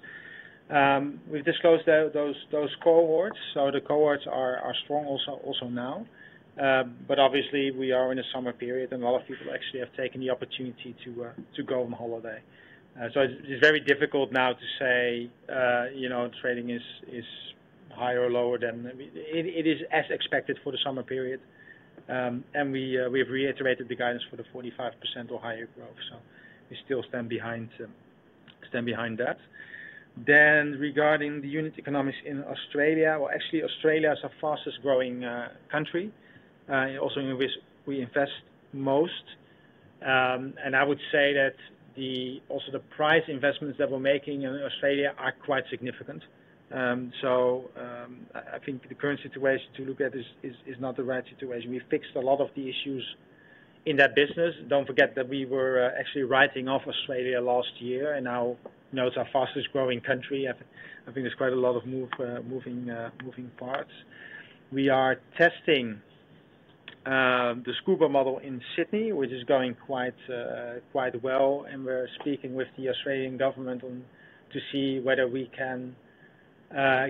We've disclosed those cohorts. The cohorts are strong also now. Obviously we are in a summer period and a lot of people actually have taken the opportunity to go on holiday. It's very difficult now to say trading is higher or lower. It is as expected for the summer period. We have reiterated the guidance for the 45% or higher growth. We still stand behind that. Regarding the unit economics in Australia. Well, actually Australia is our fastest growing country, also in which we invest most. I would say that also the price investments that we're making in Australia are quite significant. I think the current situation to look at is not the right situation. We fixed a lot of the issues in that business. Don't forget that we were actually writing off Australia last year, and now it's our fastest growing country. I think there's quite a lot of moving parts. We are testing the Scoober model in Sydney, which is going quite well, and we're speaking with the Australian government to see whether we can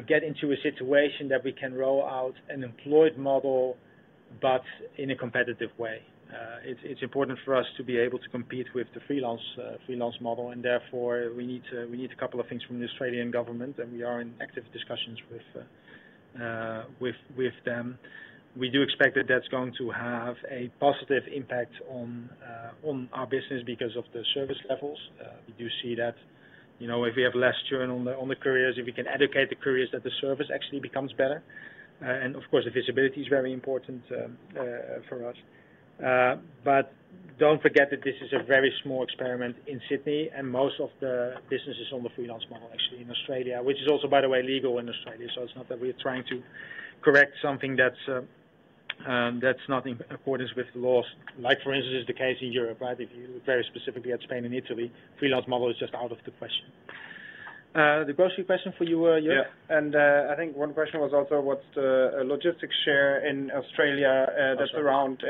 get into a situation that we can roll out an employed model, but in a competitive way. It's important for us to be able to compete with the freelance model, and therefore we need a couple of things from the Australian government, and we are in active discussions with them. We do expect that that's going to have a positive impact on our business because of the service levels. We do see that if we have less churn on the couriers, if we can educate the couriers that the service actually becomes better. Of course, the visibility is very important for us. Don't forget that this is a very small experiment in Sydney and most of the business is on the freelance model actually in Australia. Which is also, by the way, legal in Australia. It's not that we're trying to correct something that's not in accordance with the laws, like for instance, is the case in Europe, if you look very specifically at Spain and Italy, freelance model is just out of the question. The grocery question for you, Jörg. I think one question was also what's the logistics share in Australia. That's around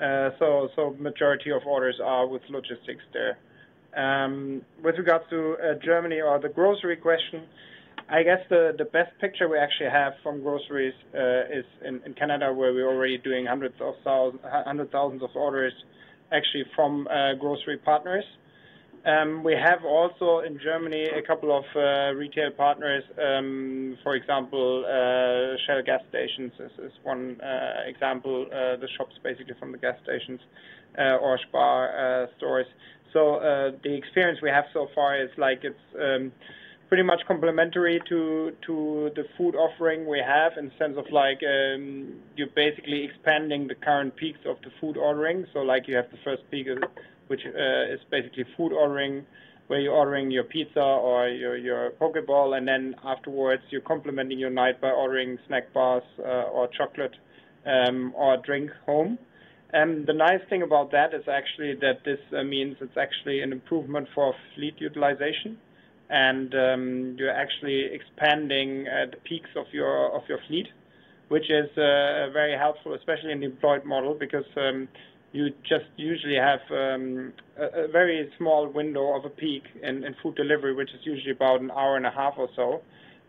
80%. Majority of orders are with logistics there. With regards to Germany or the grocery question, I guess the best picture we actually have from groceries is in Canada, where we're already doing 100,000s of orders actually from grocery partners. We have also in Germany, a couple of retail partners, for example, Shell gas stations is one example. The shops basically from the gas stations or SPAR stores. The experience we have so far is like it's pretty much complementary to the food offering we have in the sense of you're basically expanding the current peaks of the food ordering. You have the first peak, which is basically food ordering, where you're ordering your pizza or your Poke bowl, and then afterwards you're complementing your night by ordering snack bars or chocolate or drink home. The nice thing about that is actually that this means it's actually an improvement for fleet utilization. You're actually expanding the peaks of your fleet, which is very helpful, especially in the employed model, because you just usually have a very small window of a peak in food delivery, which is usually about an hour and a half or so.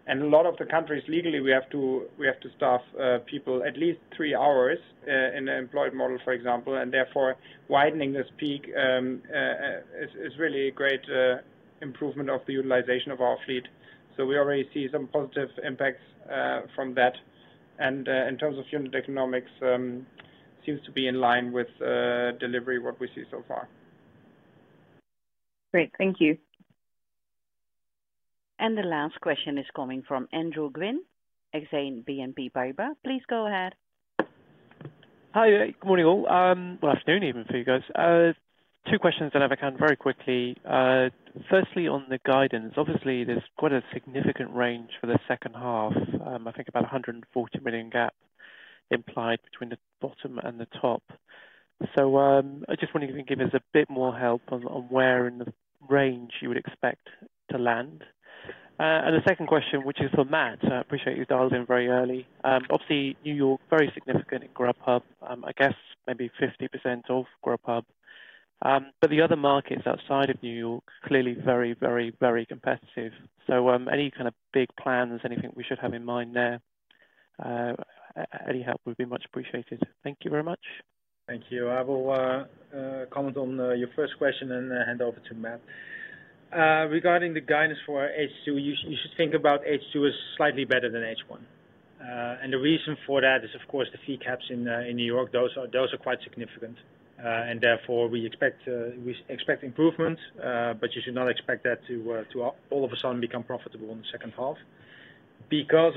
A lot of the countries, legally, we have to staff people at least three hours in an employed model, for example. Therefore widening this peak is really a great improvement of the utilization of our fleet. We already see some positive impacts from that. In terms of unit economics, seems to be in line with delivery, what we see so far. Great. Thank you. The last question is coming from Andrew Gwynn, Exane BNP Paribas. Please go ahead. Hi. Good morning, all. Well, afternoon even for you guys. Two questions that I have very quickly. Firstly, on the guidance, obviously there's quite a significant range for the second half. I think about 140 million gap implied between the bottom and the top. I just wonder if you can give us a bit more help on where in the range you would expect to land. The second question, which is for Matt, I appreciate you dialed in very early. Obviously, N.Y., very significant in Grubhub. I guess maybe 50% of Grubhub. The other markets outside of N.Y., clearly very competitive. Any kind of big plans, anything we should have in mind there, any help would be much appreciated. Thank you very much. Thank you. I will comment on your first question and hand over to Matt. Regarding the guidance for H2, you should think about H2 as slightly better than H1. The reason for that is, of course, the fee caps in New York. Those are quite significant. Therefore, we expect improvement, but you should not expect that to all of a sudden become profitable in the second half.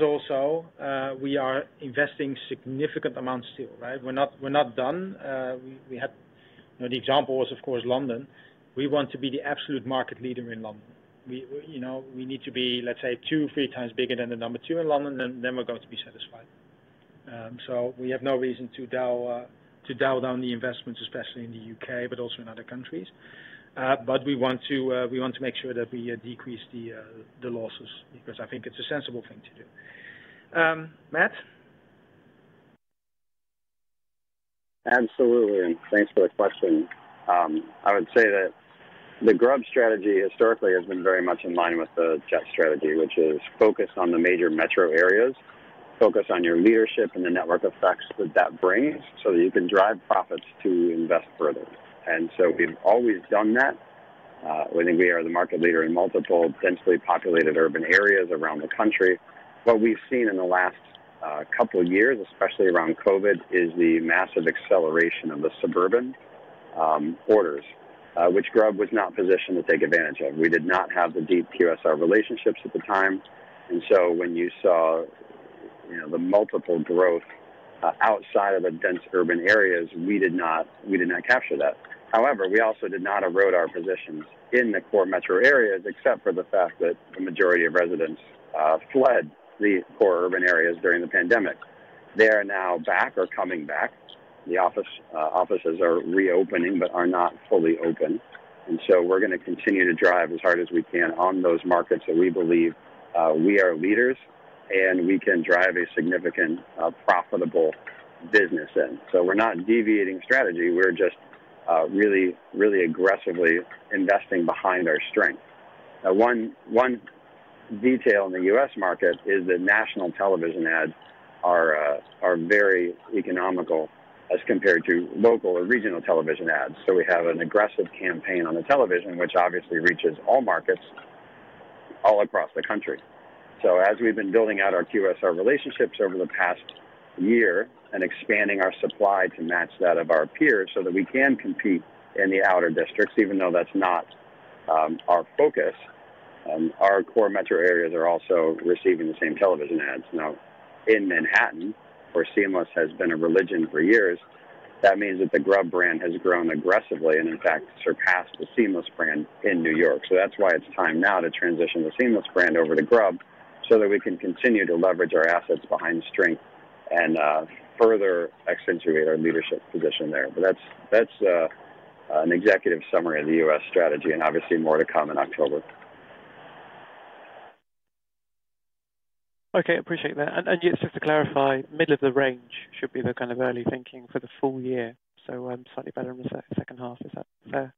Also, we are investing significant amounts still, right? We're not done. The example was, of course, London. We want to be the absolute market leader in London. We need to be, let's say, two, three times bigger than the number 2 in London, then we're going to be satisfied. We have no reason to dial down the investments, especially in the U.K., but also in other countries. We want to make sure that we decrease the losses, because I think it's a sensible thing to do. Matt? Absolutely. Thanks for the question. I would say that the Grubhub strategy historically has been very much in line with the Just strategy, which is focused on the major metro areas, focused on your leadership and the network effects that that brings so that you can drive profits to invest further. We've always done that. We think we are the market leader in multiple densely populated urban areas around the country. What we've seen in the last couple of years, especially around COVID, is the massive acceleration of the suburban orders, which Grubhub was not positioned to take advantage of. We did not have the deep QSR relationships at the time. When you saw the multiple growth outside of the dense urban areas, we did not capture that. However, we also did not erode our positions in the core metro areas, except for the fact that the majority of residents fled the core urban areas during the pandemic. They are now back or coming back. The offices are reopening, but are not fully open. We're going to continue to drive as hard as we can on those markets that we believe we are leaders, and we can drive a significant profitable business in. We're not deviating strategy, we're just really aggressively investing behind our strength. One detail in the US market is that national television ads are very economical as compared to local or regional television ads. We have an aggressive campaign on the television, which obviously reaches all markets all across the country. As we've been building out our QSR relationships over the past year and expanding our supply to match that of our peers so that we can compete in the outer districts, even though that's not our focus, our core metro areas are also receiving the same television ads now. In Manhattan, where Seamless has been a religion for years, that means that the Grubhub brand has grown aggressively and, in fact, surpassed the Seamless brand in New York. That's why it's time now to transition the Seamless brand over to Grubhub so that we can continue to leverage our assets behind strength and further accentuate our leadership position there. That's an executive summary of the US strategy, and obviously more to come in October. Okay, appreciate that. Just to clarify, middle of the range should be the kind of early thinking for the full year, so slightly better in the second half. Is that fair?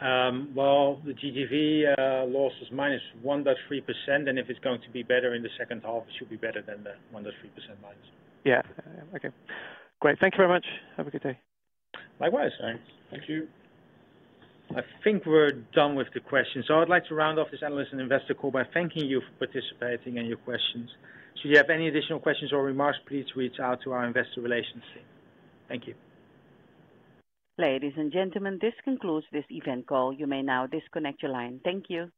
Well, the GTV loss is -1.3%, and if it's going to be better in the second half, it should be better than the -1.3%. Yeah. Okay. Great. Thank you very much. Have a good day. Likewise. Thank you. I think we're done with the questions, so I would like to round off this analyst and investor call by thanking you for participating and your questions. Should you have any additional questions or remarks, please reach out to our investor relations team. Thank you. Ladies and gentlemen, this concludes this event call. You may now disconnect your line. Thank you.